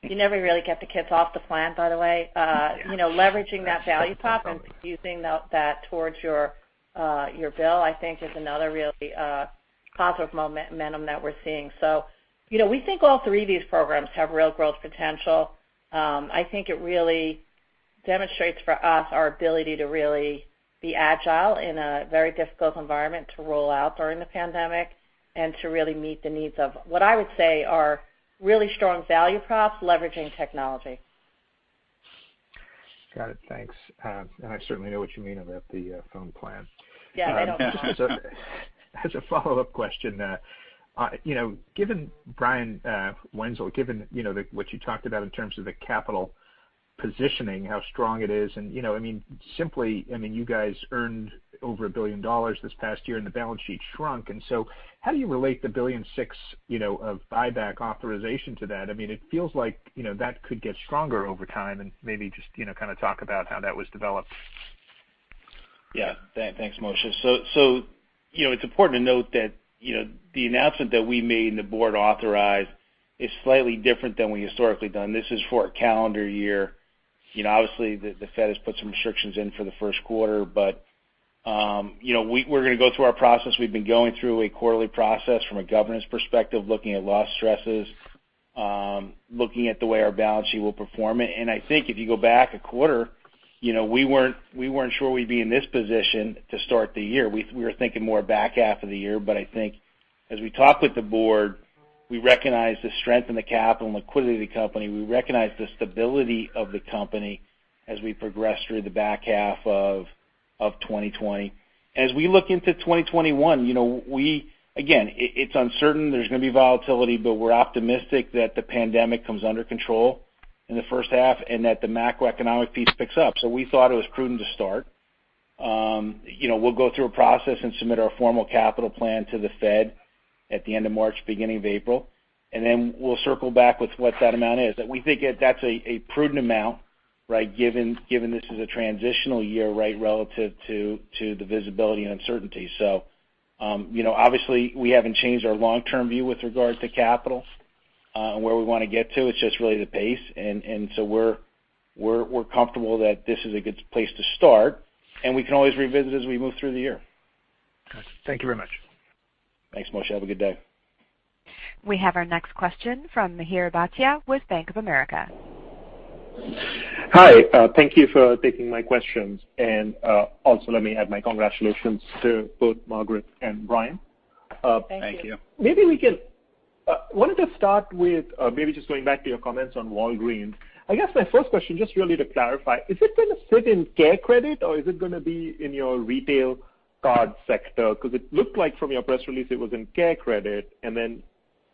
You never really get the kids off the plan, by the way. Leveraging that value prop and using that towards your bill, I think is another really positive momentum that we're seeing. We think all three of these programs have real growth potential. I think it really demonstrates for us our ability to really be agile in a very difficult environment to roll out during the pandemic and to really meet the needs of what I would say are really strong value props leveraging technology. Got it. Thanks. I certainly know what you mean about the phone plan. Yeah. They don't work. As a follow-up question, Brian Wenzel, given what you talked about in terms of the capital positioning, how strong it is, and simply, you guys earned over $1 billion this past year and the balance sheet shrunk. How do you relate the $1.6 billion of buyback authorization to that? It feels like that could get stronger over time and maybe just kind of talk about how that was developed. Yeah. Thanks, Moshe. It's important to note that the announcement that we made and the board authorized is slightly different than we historically done. This is for a calendar year. Obviously, the Fed has put some restrictions in for the first quarter, we're going to go through our process. We've been going through a quarterly process from a governance perspective, looking at loss stresses, looking at the way our balance sheet will perform. I think if you go back a quarter, we weren't sure we'd be in this position to start the year. We were thinking more back half of the year, but I think as we talked with the board, we recognized the strength in the capital and liquidity of the company. We recognized the stability of the company as we progressed through the back half of 2020. As we look into 2021, again, it's uncertain there's going to be volatility, but we're optimistic that the pandemic comes under control in the first half and that the macroeconomic piece picks up. We thought it was prudent to start. We'll go through a process and submit our formal capital plan to the Fed at the end of March, beginning of April, and then we'll circle back with what that amount is. We think that's a prudent amount, given this is a transitional year, right, relative to the visibility and uncertainty. Obviously we haven't changed our long-term view with regard to capital, and where we want to get to, it's just really the pace. We're comfortable that this is a good place to start, and we can always revisit as we move through the year. Got it. Thank you very much. Thanks, Moshe. Have a good day. We have our next question from Mihir Bhatia with Bank of America. Hi, thank you for taking my questions. Also, let me add my congratulations to both Margaret and Brian. Thank you. Thank you. Wanted to start with maybe just going back to your comments on Walgreens. I guess my first question, just really to clarify, is it going to sit in CareCredit or is it going to be in your retail card sector? It looked like from your press release it was in CareCredit.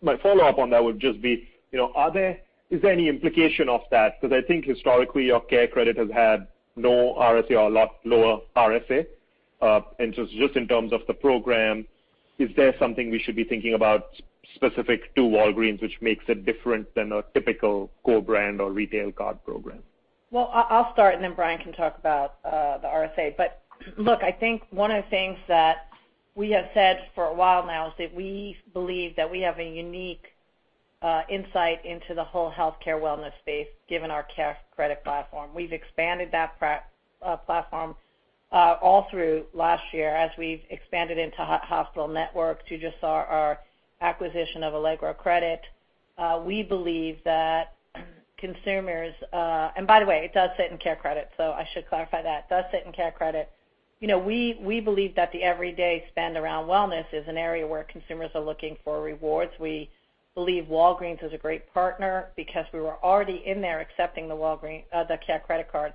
My follow-up on that would just be, is there any implication of that? I think historically your CareCredit has had no RSA or a lot lower RSA. Just in terms of the program, is there something we should be thinking about specific to Walgreens, which makes it different than a typical co-brand or retail card program? Well, I'll start and then Brian can talk about the RSA. Look, I think one of the things that we have said for a while now is that we believe that we have a unique insight into the whole healthcare wellness space, given our CareCredit platform. We've expanded that platform all through last year as we've expanded into hospital networks. You just saw our acquisition of Allegro Credit. By the way, it does sit in CareCredit, so I should clarify that. It does sit in CareCredit. We believe that the everyday spend around wellness is an area where consumers are looking for rewards. We believe Walgreens is a great partner because we were already in there accepting the CareCredit card.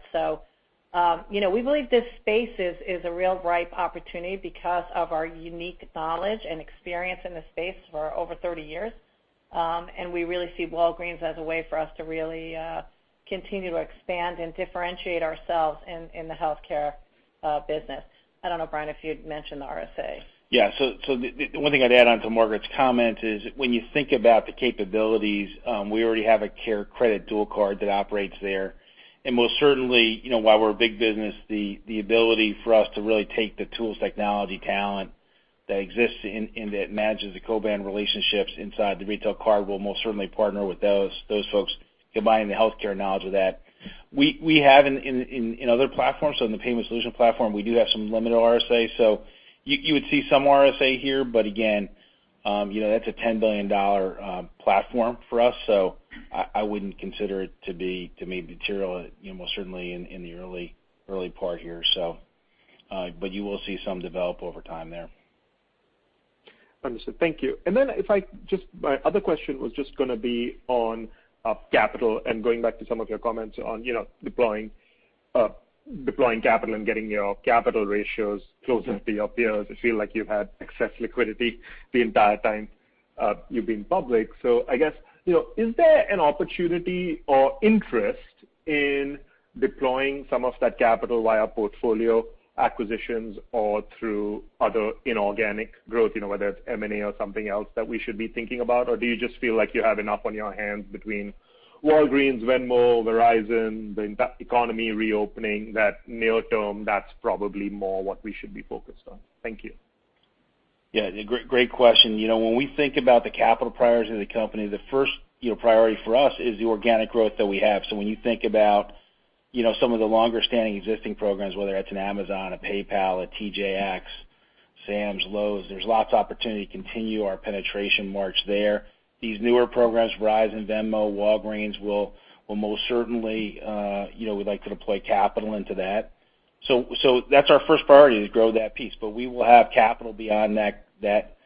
We believe this space is a real ripe opportunity because of our unique knowledge and experience in the space for over 30 years. We really see Walgreens as a way for us to really continue to expand and differentiate ourselves in the healthcare business. I don't know, Brian, if you'd mentioned the RSA? The one thing I'd add on to Margaret Keane's comment is when you think about the capabilities, we already have a CareCredit dual card that operates there. Most certainly, while we're a big business, the ability for us to really take the tools, technology, talent that exists and that manages the co-brand relationships inside the retail card will most certainly partner with those folks combining the healthcare knowledge of that. We have in other platforms, in the payment solution platform, we do have some limited RSA. You would see some RSA here. Again, that's a $10 billion platform for us. I wouldn't consider it to be material most certainly in the early part here. You will see some develop over time there. Understood. Thank you. My other question was just going to be on capital and going back to some of your comments on deploying capital and getting your capital ratios close to the up years. I feel like you've had excess liquidity the entire time you've been public. I guess, is there an opportunity or interest in deploying some of that capital via portfolio acquisitions or through other inorganic growth, whether it's M&A or something else that we should be thinking about? Do you just feel like you have enough on your hands between Walgreens, Venmo, Verizon, the economy reopening, that near-term, that's probably more what we should be focused on? Thank you. Yeah. Great question. When we think about some of the longer-standing existing programs, whether it's an Amazon, a PayPal, a TJX, Sam's, Lowe's, there's lots of opportunity to continue our penetration march there. These newer programs, Verizon and Venmo, Walgreens, we'd like to deploy capital into that. That's our first priority is grow that piece. We will have capital beyond that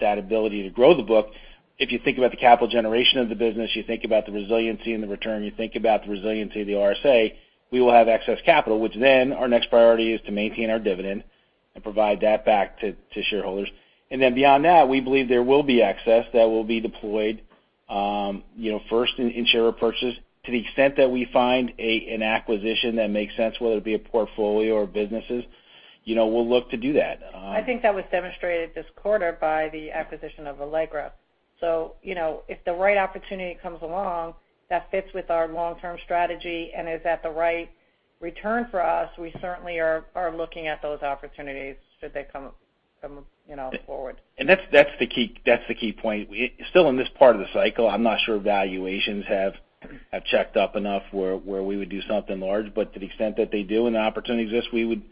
ability to grow the book. If you think about the capital generation of the business, you think about the resiliency and the return, you think about the resiliency of the RSA, we will have excess capital, which then our next priority is to maintain our dividend and provide that back to shareholders. Beyond that, we believe there will be excess that will be deployed first in share repurchase. To the extent that we find an acquisition that makes sense, whether it be a portfolio or businesses, we'll look to do that. I think that was demonstrated this quarter by the acquisition of Allegro. If the right opportunity comes along that fits with our long-term strategy and is at the right return for us, we certainly are looking at those opportunities should they come forward. That's the key point. Still in this part of the cycle, I'm not sure valuations have checked up enough where we would do something large. To the extent that they do and the opportunity exists, we would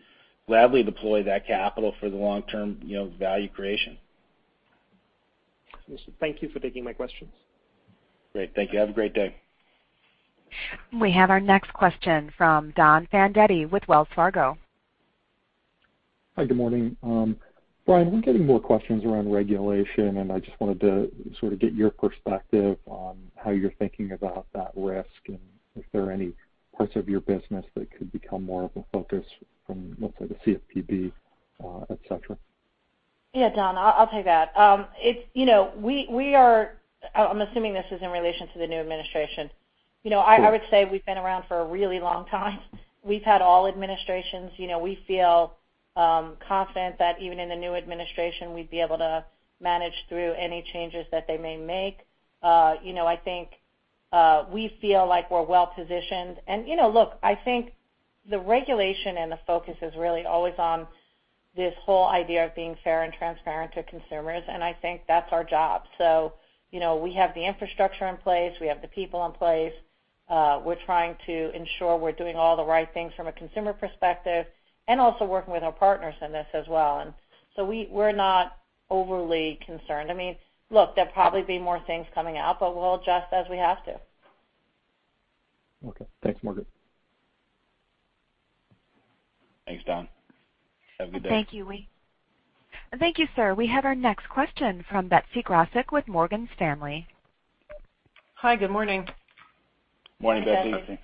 gladly deploy that capital for the long-term value creation. Thank you for taking my questions. Great. Thank you. Have a great day. We have our next question from Don Fandetti with Wells Fargo. Hi, good morning. Brian, we're getting more questions around regulation. I just wanted to sort of get your perspective on how you're thinking about that risk and if there are any parts of your business that could become more of a focus from, let's say, the CFPB, et cetera. Yeah, Don, I'll take that. I'm assuming this is in relation to the new administration. Sure. I would say we've been around for a really long time. We've had all administrations. We feel confident that even in the new administration, we'd be able to manage through any changes that they may make. I think we feel like we're well-positioned. Look, I think the regulation and the focus is really always on this whole idea of being fair and transparent to consumers, and I think that's our job. We have the infrastructure in place. We have the people in place. We're trying to ensure we're doing all the right things from a consumer perspective and also working with our partners in this as well. We're not overly concerned. I mean, look, there'll probably be more things coming out, but we'll adjust as we have to. Okay. Thanks, Margaret. Thanks, Don. Have a good day. Thank you. Thank you, sir. We have our next question from Betsy Graseck with Morgan Stanley. Hi, good morning. Morning, Betsy. Good morning.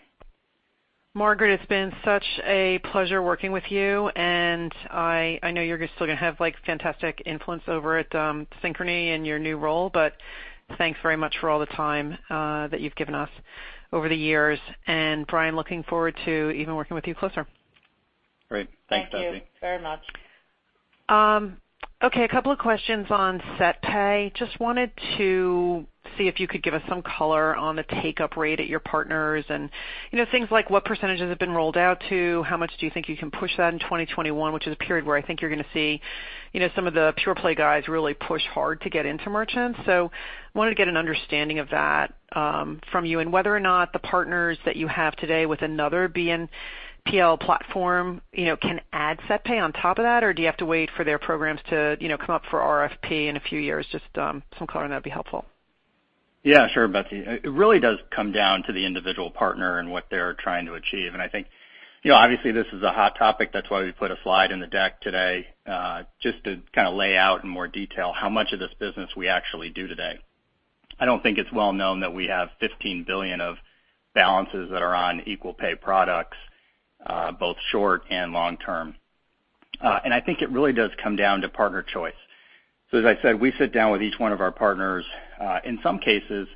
Margaret, it's been such a pleasure working with you, and I know you're still going to have fantastic influence over at Synchrony in your new role, but thanks very much for all the time that you've given us over the years. Brian, looking forward to even working with you closer. Great. Thanks, Betsy. Thank you very much. Okay, a couple of questions on SetPay. Just wanted to see if you could give us some color on the take-up rate at your partners and things like what percentages have been rolled out to, how much do you think you can push that in 2021, which is a period where I think you're going to see some of the pure play guys really push hard to get into merchants. Wanted to get an understanding of that from you and whether or not the partners that you have today with another BNPL platform can add SetPay on top of that, or do you have to wait for their programs to come up for RFP in a few years? Just some color on that would be helpful. Yeah, sure, Betsy. It really does come down to the individual partner and what they're trying to achieve. I think obviously this is a hot topic. That's why we put a slide in the deck today, just to kind of lay out in more detail how much of this business we actually do today. I don't think it's well known that we have $15 billion of balances that are on equal pay products, both short and long-term. I think it really does come down to partner choice. As I said, we sit down with each one of our partners. In some cases,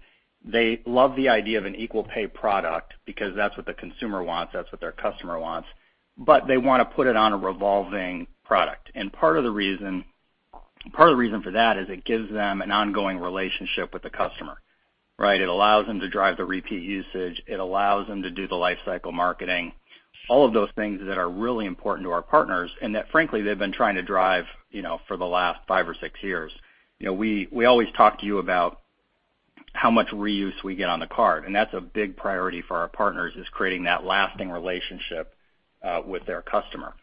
they love the idea of an equal pay product because that's what the consumer wants, that's what their customer wants, but they want to put it on a revolving product. Part of the reason for that is it gives them an ongoing relationship with the customer. It allows them to drive the repeat usage. It allows them to do the life cycle marketing, all of those things that are really important to our partners and that frankly, they've been trying to drive for the last five or six years. We always talk to you about how much reuse we get on the card, that's a big priority for our partners is creating that lasting relationship with their customer.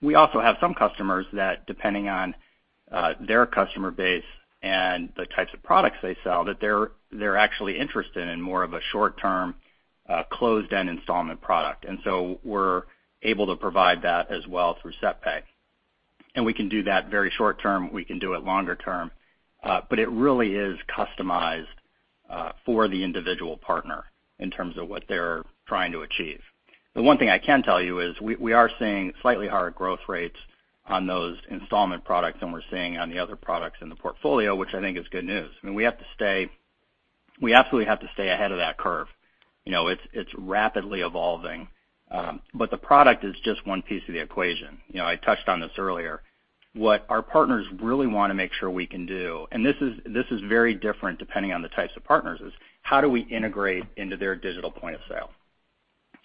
We also have some customers that, depending on their customer base and the types of products they sell, that they're actually interested in more of a short-term, closed-end installment product. We're able to provide that as well through SetPay. We can do that very short term. We can do it longer term. It really is customized for the individual partner in terms of what they're trying to achieve. The one thing I can tell you is we are seeing slightly higher growth rates on those installment products than we're seeing on the other products in the portfolio, which I think is good news. I mean, we absolutely have to stay ahead of that curve. It's rapidly evolving. The product is just one piece of the equation. I touched on this earlier. What our partners really want to make sure we can do, and this is very different depending on the types of partners, is how do we integrate into their digital point of sale?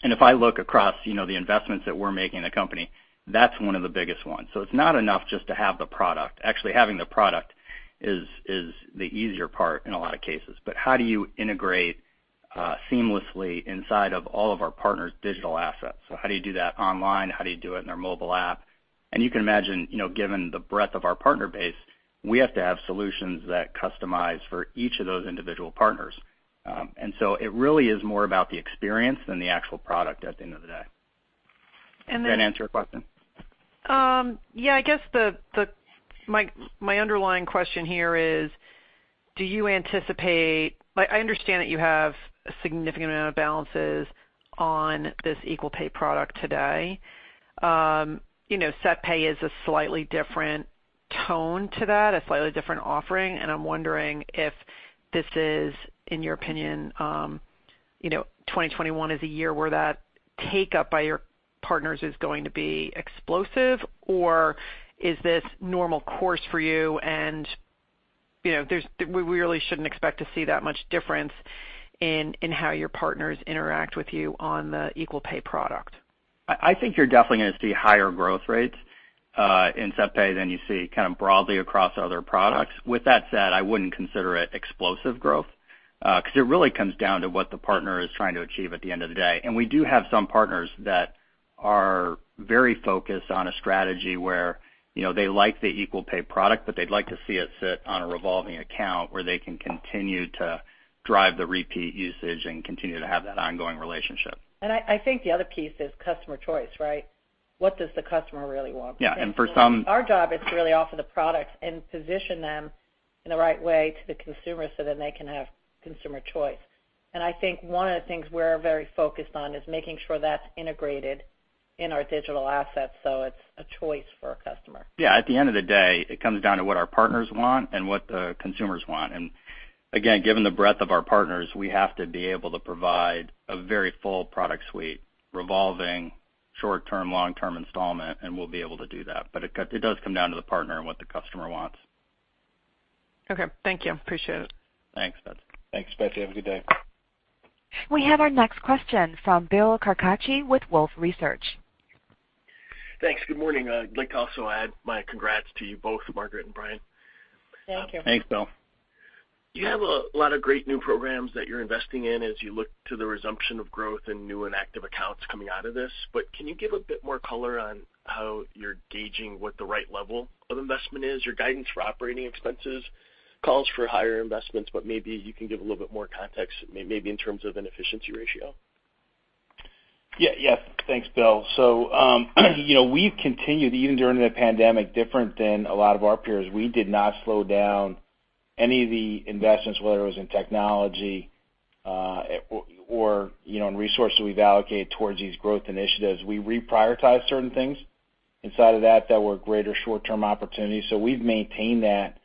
If I look across the investments that we're making in the company, that's one of the biggest ones. It's not enough just to have the product. Actually, having the product is the easier part in a lot of cases. How do you integrate seamlessly inside of all of our partners' digital assets? How do you do that online? How do you do it in their mobile app? You can imagine, given the breadth of our partner base, we have to have solutions that customize for each of those individual partners. It really is more about the experience than the actual product at the end of the day. And then- Does that answer your question? I guess my underlying question here is, I understand that you have a significant amount of balances on this Equal Pay product today. SetPay is a slightly different tone to that, a slightly different offering, and I'm wondering if this is, in your opinion, 2021 is a year where that take-up by your partners is going to be explosive, or is this normal course for you, and we really shouldn't expect to see that much difference in how your partners interact with you on the Equal Pay product? I think you're definitely going to see higher growth rates in SetPay than you see kind of broadly across other products. With that said, I wouldn't consider it explosive growth because it really comes down to what the partner is trying to achieve at the end of the day. We do have some partners that are very focused on a strategy where they like the Equal Pay product, but they'd like to see it sit on a revolving account where they can continue to drive the repeat usage and continue to have that ongoing relationship. I think the other piece is customer choice, right? What does the customer really want? Yeah. Our job is to really offer the products and position them in the right way to the consumer so that they can have consumer choice. I think one of the things we're very focused on is making sure that's integrated in our digital assets so it's a choice for a customer. Yeah. At the end of the day, it comes down to what our partners want and what the consumers want. Given the breadth of our partners, we have to be able to provide a very full product suite, revolving short-term, long-term installment, and we'll be able to do that. It does come down to the partner and what the customer wants. Okay. Thank you. Appreciate it. Thanks, Betsy. Thanks, Betsy. Have a good day. We have our next question from Bill Carcache with Wolfe Research. Thanks. Good morning. I'd like to also add my congrats to you both, Margaret and Brian. Thank you. Thanks, Bill. You have a lot of great new programs that you're investing in as you look to the resumption of growth in new and active accounts coming out of this. Can you give a bit more color on how you're gauging what the right level of investment is? Your guidance for operating expenses calls for higher investments. Maybe you can give a little bit more context, maybe in terms of an efficiency ratio. Thanks, Bill. We've continued, even during the pandemic, different than a lot of our peers. We did not slow down any of the investments, whether it was in technology or in resources we've allocated towards these growth initiatives. We reprioritized certain things inside of that were greater short-term opportunities. We've maintained that.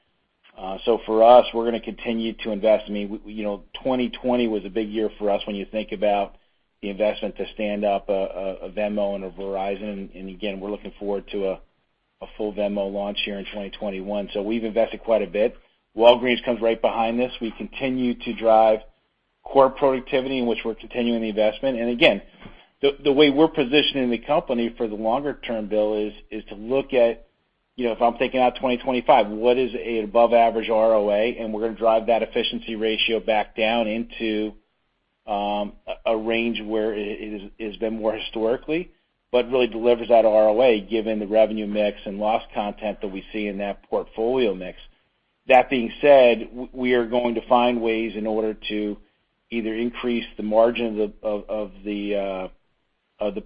For us, we're going to continue to invest. 2020 was a big year for us when you think about the investment to stand up a Venmo and a Verizon. Again, we're looking forward to a full Venmo launch here in 2021. We've invested quite a bit. Walgreens comes right behind this. We continue to drive core productivity in which we're continuing the investment. Again, the way we're positioning the company for the longer term, Bill, is to look at if I'm thinking out 2025, what is an above average ROA? We're going to drive that efficiency ratio back down into a range where it has been more historically, but really delivers that ROA given the revenue mix and loss content that we see in that portfolio mix. That being said, we are going to find ways in order to either increase the margins of the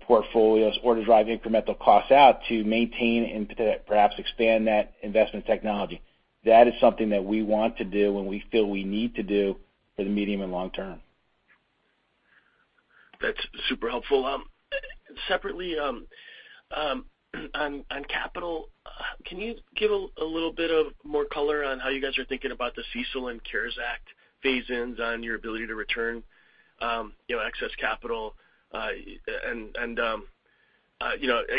portfolios or to drive incremental costs out to maintain and perhaps expand that investment technology. That is something that we want to do and we feel we need to do for the medium and long term. That's super helpful. Separately, on capital, can you give a little bit of more color on how you guys are thinking about the CECL and CARES Act phase-ins on your ability to return excess capital? I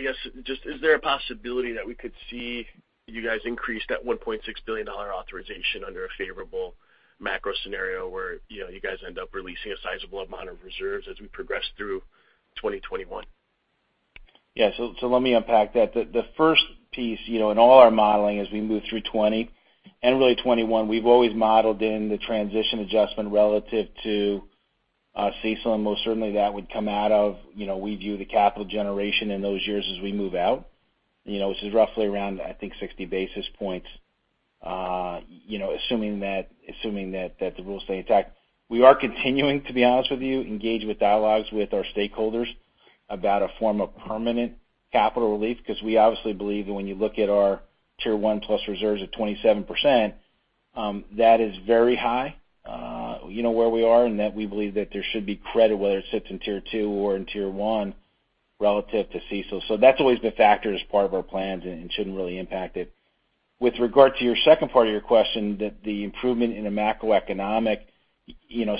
guess just is there a possibility that we could see you guys increase that $1.6 billion authorization under a favorable macro scenario where you guys end up releasing a sizable amount of reserves as we progress through 2021? Let me unpack that. The first piece in all our modeling as we move through 2020 and really 2021, we've always modeled in the transition adjustment relative to CECL, and most certainly that would come out of we view the capital generation in those years as we move out. This is roughly around, I think, 60 basis points assuming that the rules stay intact. We are continuing, to be honest with you, engage with dialogues with our stakeholders about a form of permanent capital relief because we obviously believe that when you look at our Tier 1+ reserves of 27%, that is very high where we are, and that we believe that there should be credit, whether it sits in Tier 2 or in Tier 1 relative to CECL. That's always been factored as part of our plans and shouldn't really impact it. With regard to your second part of your question that the improvement in the macroeconomic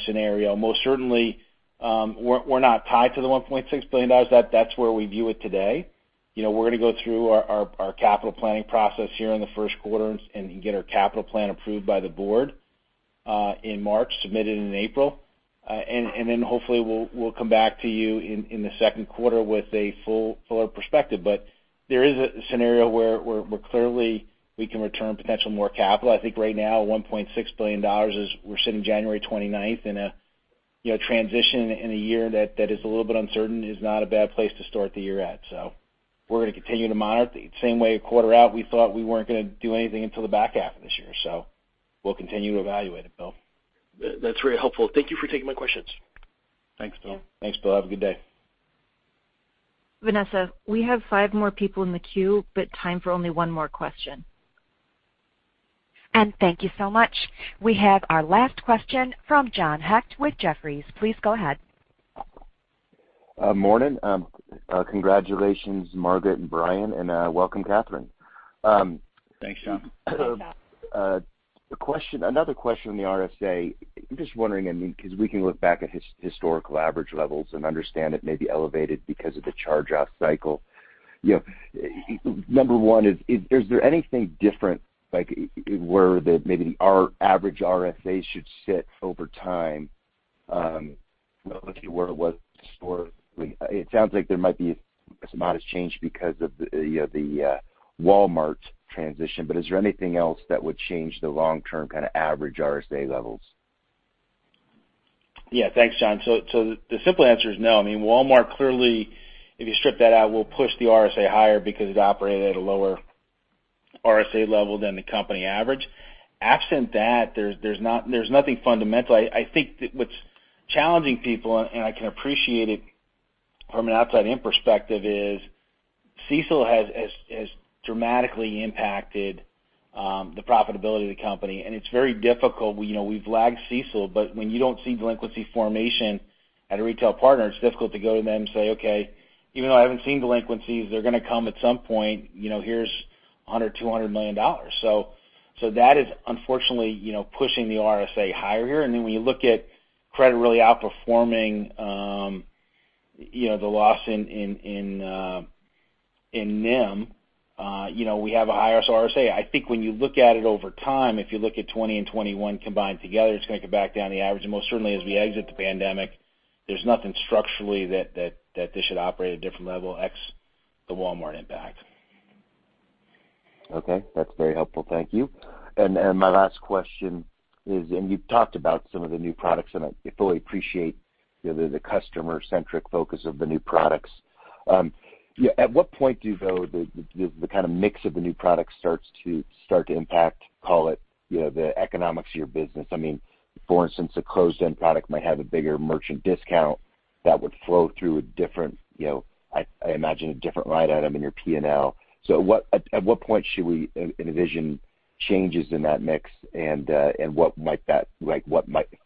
scenario, most certainly we're not tied to the $1.6 billion. That's where we view it today. We're going to go through our capital planning process here in the first quarter and get our capital plan approved by the board in March, submitted in April. Hopefully we'll come back to you in the second quarter with a fuller perspective. There is a scenario where clearly we can return potential more capital. I think right now, $1.6 billion is, we're sitting January 29th in a transition in a year that is a little bit uncertain is not a bad place to start the year at. We're going to continue to monitor it. Same way a quarter out, we thought we weren't going to do anything until the back half of this year. We'll continue to evaluate it, Bill. That's very helpful. Thank you for taking my questions. Thanks, Bill. Thanks, Bill. Have a good day. Vanessa, we have five more people in the queue, but time for only one more question. Thank you so much. We have our last question from John Hecht with Jefferies. Please go ahead. Morning. Congratulations, Margaret and Brian, and welcome, Kathryn. Thanks, John. Thanks, John. Another question on the RSA. I'm just wondering, because we can look back at historical average levels and understand it may be elevated because of the charge-off cycle. Number one is there anything different like where that maybe our average RSA should sit over time relative to where it was historically? It sounds like there might be a modest change because of the Walmart transition, but is there anything else that would change the long-term kind of average RSA levels? Thanks, John. The simple answer is no. Walmart clearly, if you strip that out, will push the RSA higher because it operated at a lower RSA level than the company average. Absent that, there is nothing fundamental. I think that what is challenging people, and I can appreciate it from an outside-in perspective, is CECL has dramatically impacted the profitability of the company, and it is very difficult. We have lagged CECL, but when you do not see delinquency formation at a retail partner, it is difficult to go to them and say, "Okay. Even though I have not seen delinquencies, they are going to come at some point. Here is $100 million, $200 million." That is unfortunately pushing the RSA higher here. When you look at credit really outperforming the loss in NIM, we have a higher RSA. I think when you look at it over time, if you look at 2020 and 2021 combined together, it's going to come back down to the average. Most certainly as we exit the pandemic, there's nothing structurally that this should operate at a different level ex the Walmart impact. Okay. That's very helpful. Thank you. My last question is, and you've talked about some of the new products, and I fully appreciate the customer-centric focus of the new products. At what point do, though, the kind of mix of the new products start to impact, call it, the economics of your business? For instance, a closed-end product might have a bigger merchant discount that would flow through, I imagine, a different line item in your P&L. At what point should we envision changes in that mix, and what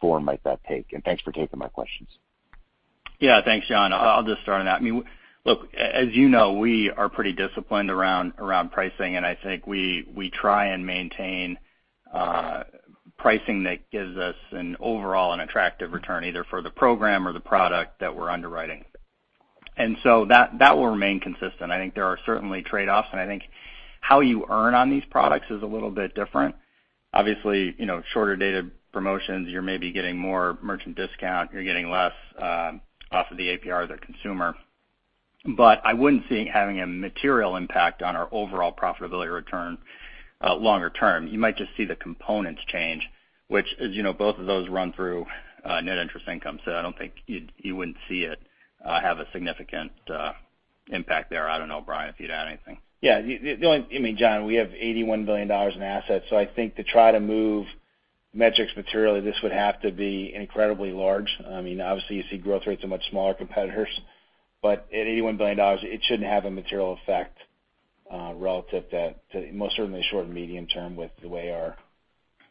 form might that take? Thanks for taking my questions. Yeah. Thanks, John. I'll just start on that. Look, as you know, we are pretty disciplined around pricing. I think we try and maintain pricing that gives us an overall and attractive return, either for the program or the product that we're underwriting. That will remain consistent. I think there are certainly trade-offs. I think how you earn on these products is a little bit different. Obviously, shorter dated promotions, you're maybe getting more merchant discount, you're getting less off of the APR to the consumer. I wouldn't see it having a material impact on our overall profitability return longer term. You might just see the components change, which, as you know, both of those run through net interest income. I don't think you wouldn't see it have a significant impact there. I don't know, Brian, if you'd add anything. John, we have $81 billion in assets. I think to try to move metrics materially, this would have to be incredibly large. You see growth rates of much smaller competitors, at $81 billion, it shouldn't have a material effect relative to most certainly short and medium term with the way our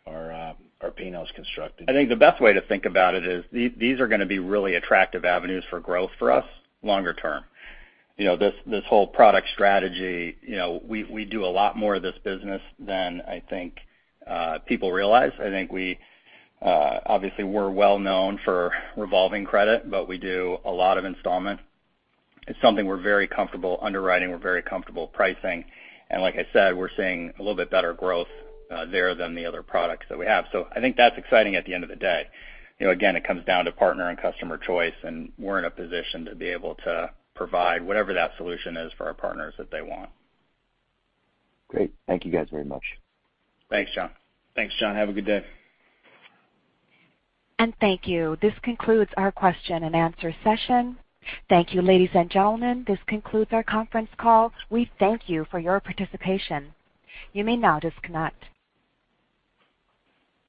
P&L is constructed. I think the best way to think about it is these are going to be really attractive avenues for growth for us longer term. This whole product strategy, we do a lot more of this business than I think people realize. I think obviously we're well known for revolving credit, but we do a lot of installment. It's something we're very comfortable underwriting, we're very comfortable pricing, and like I said, we're seeing a little bit better growth there than the other products that we have. I think that's exciting at the end of the day. Again, it comes down to partner and customer choice, and we're in a position to be able to provide whatever that solution is for our partners that they want. Great. Thank you guys very much. Thanks, John. Thanks, John. Have a good day. Thank you. This concludes our question and answer session. Thank you, ladies and gentlemen. This concludes our conference call. We thank you for your participation. You may now disconnect.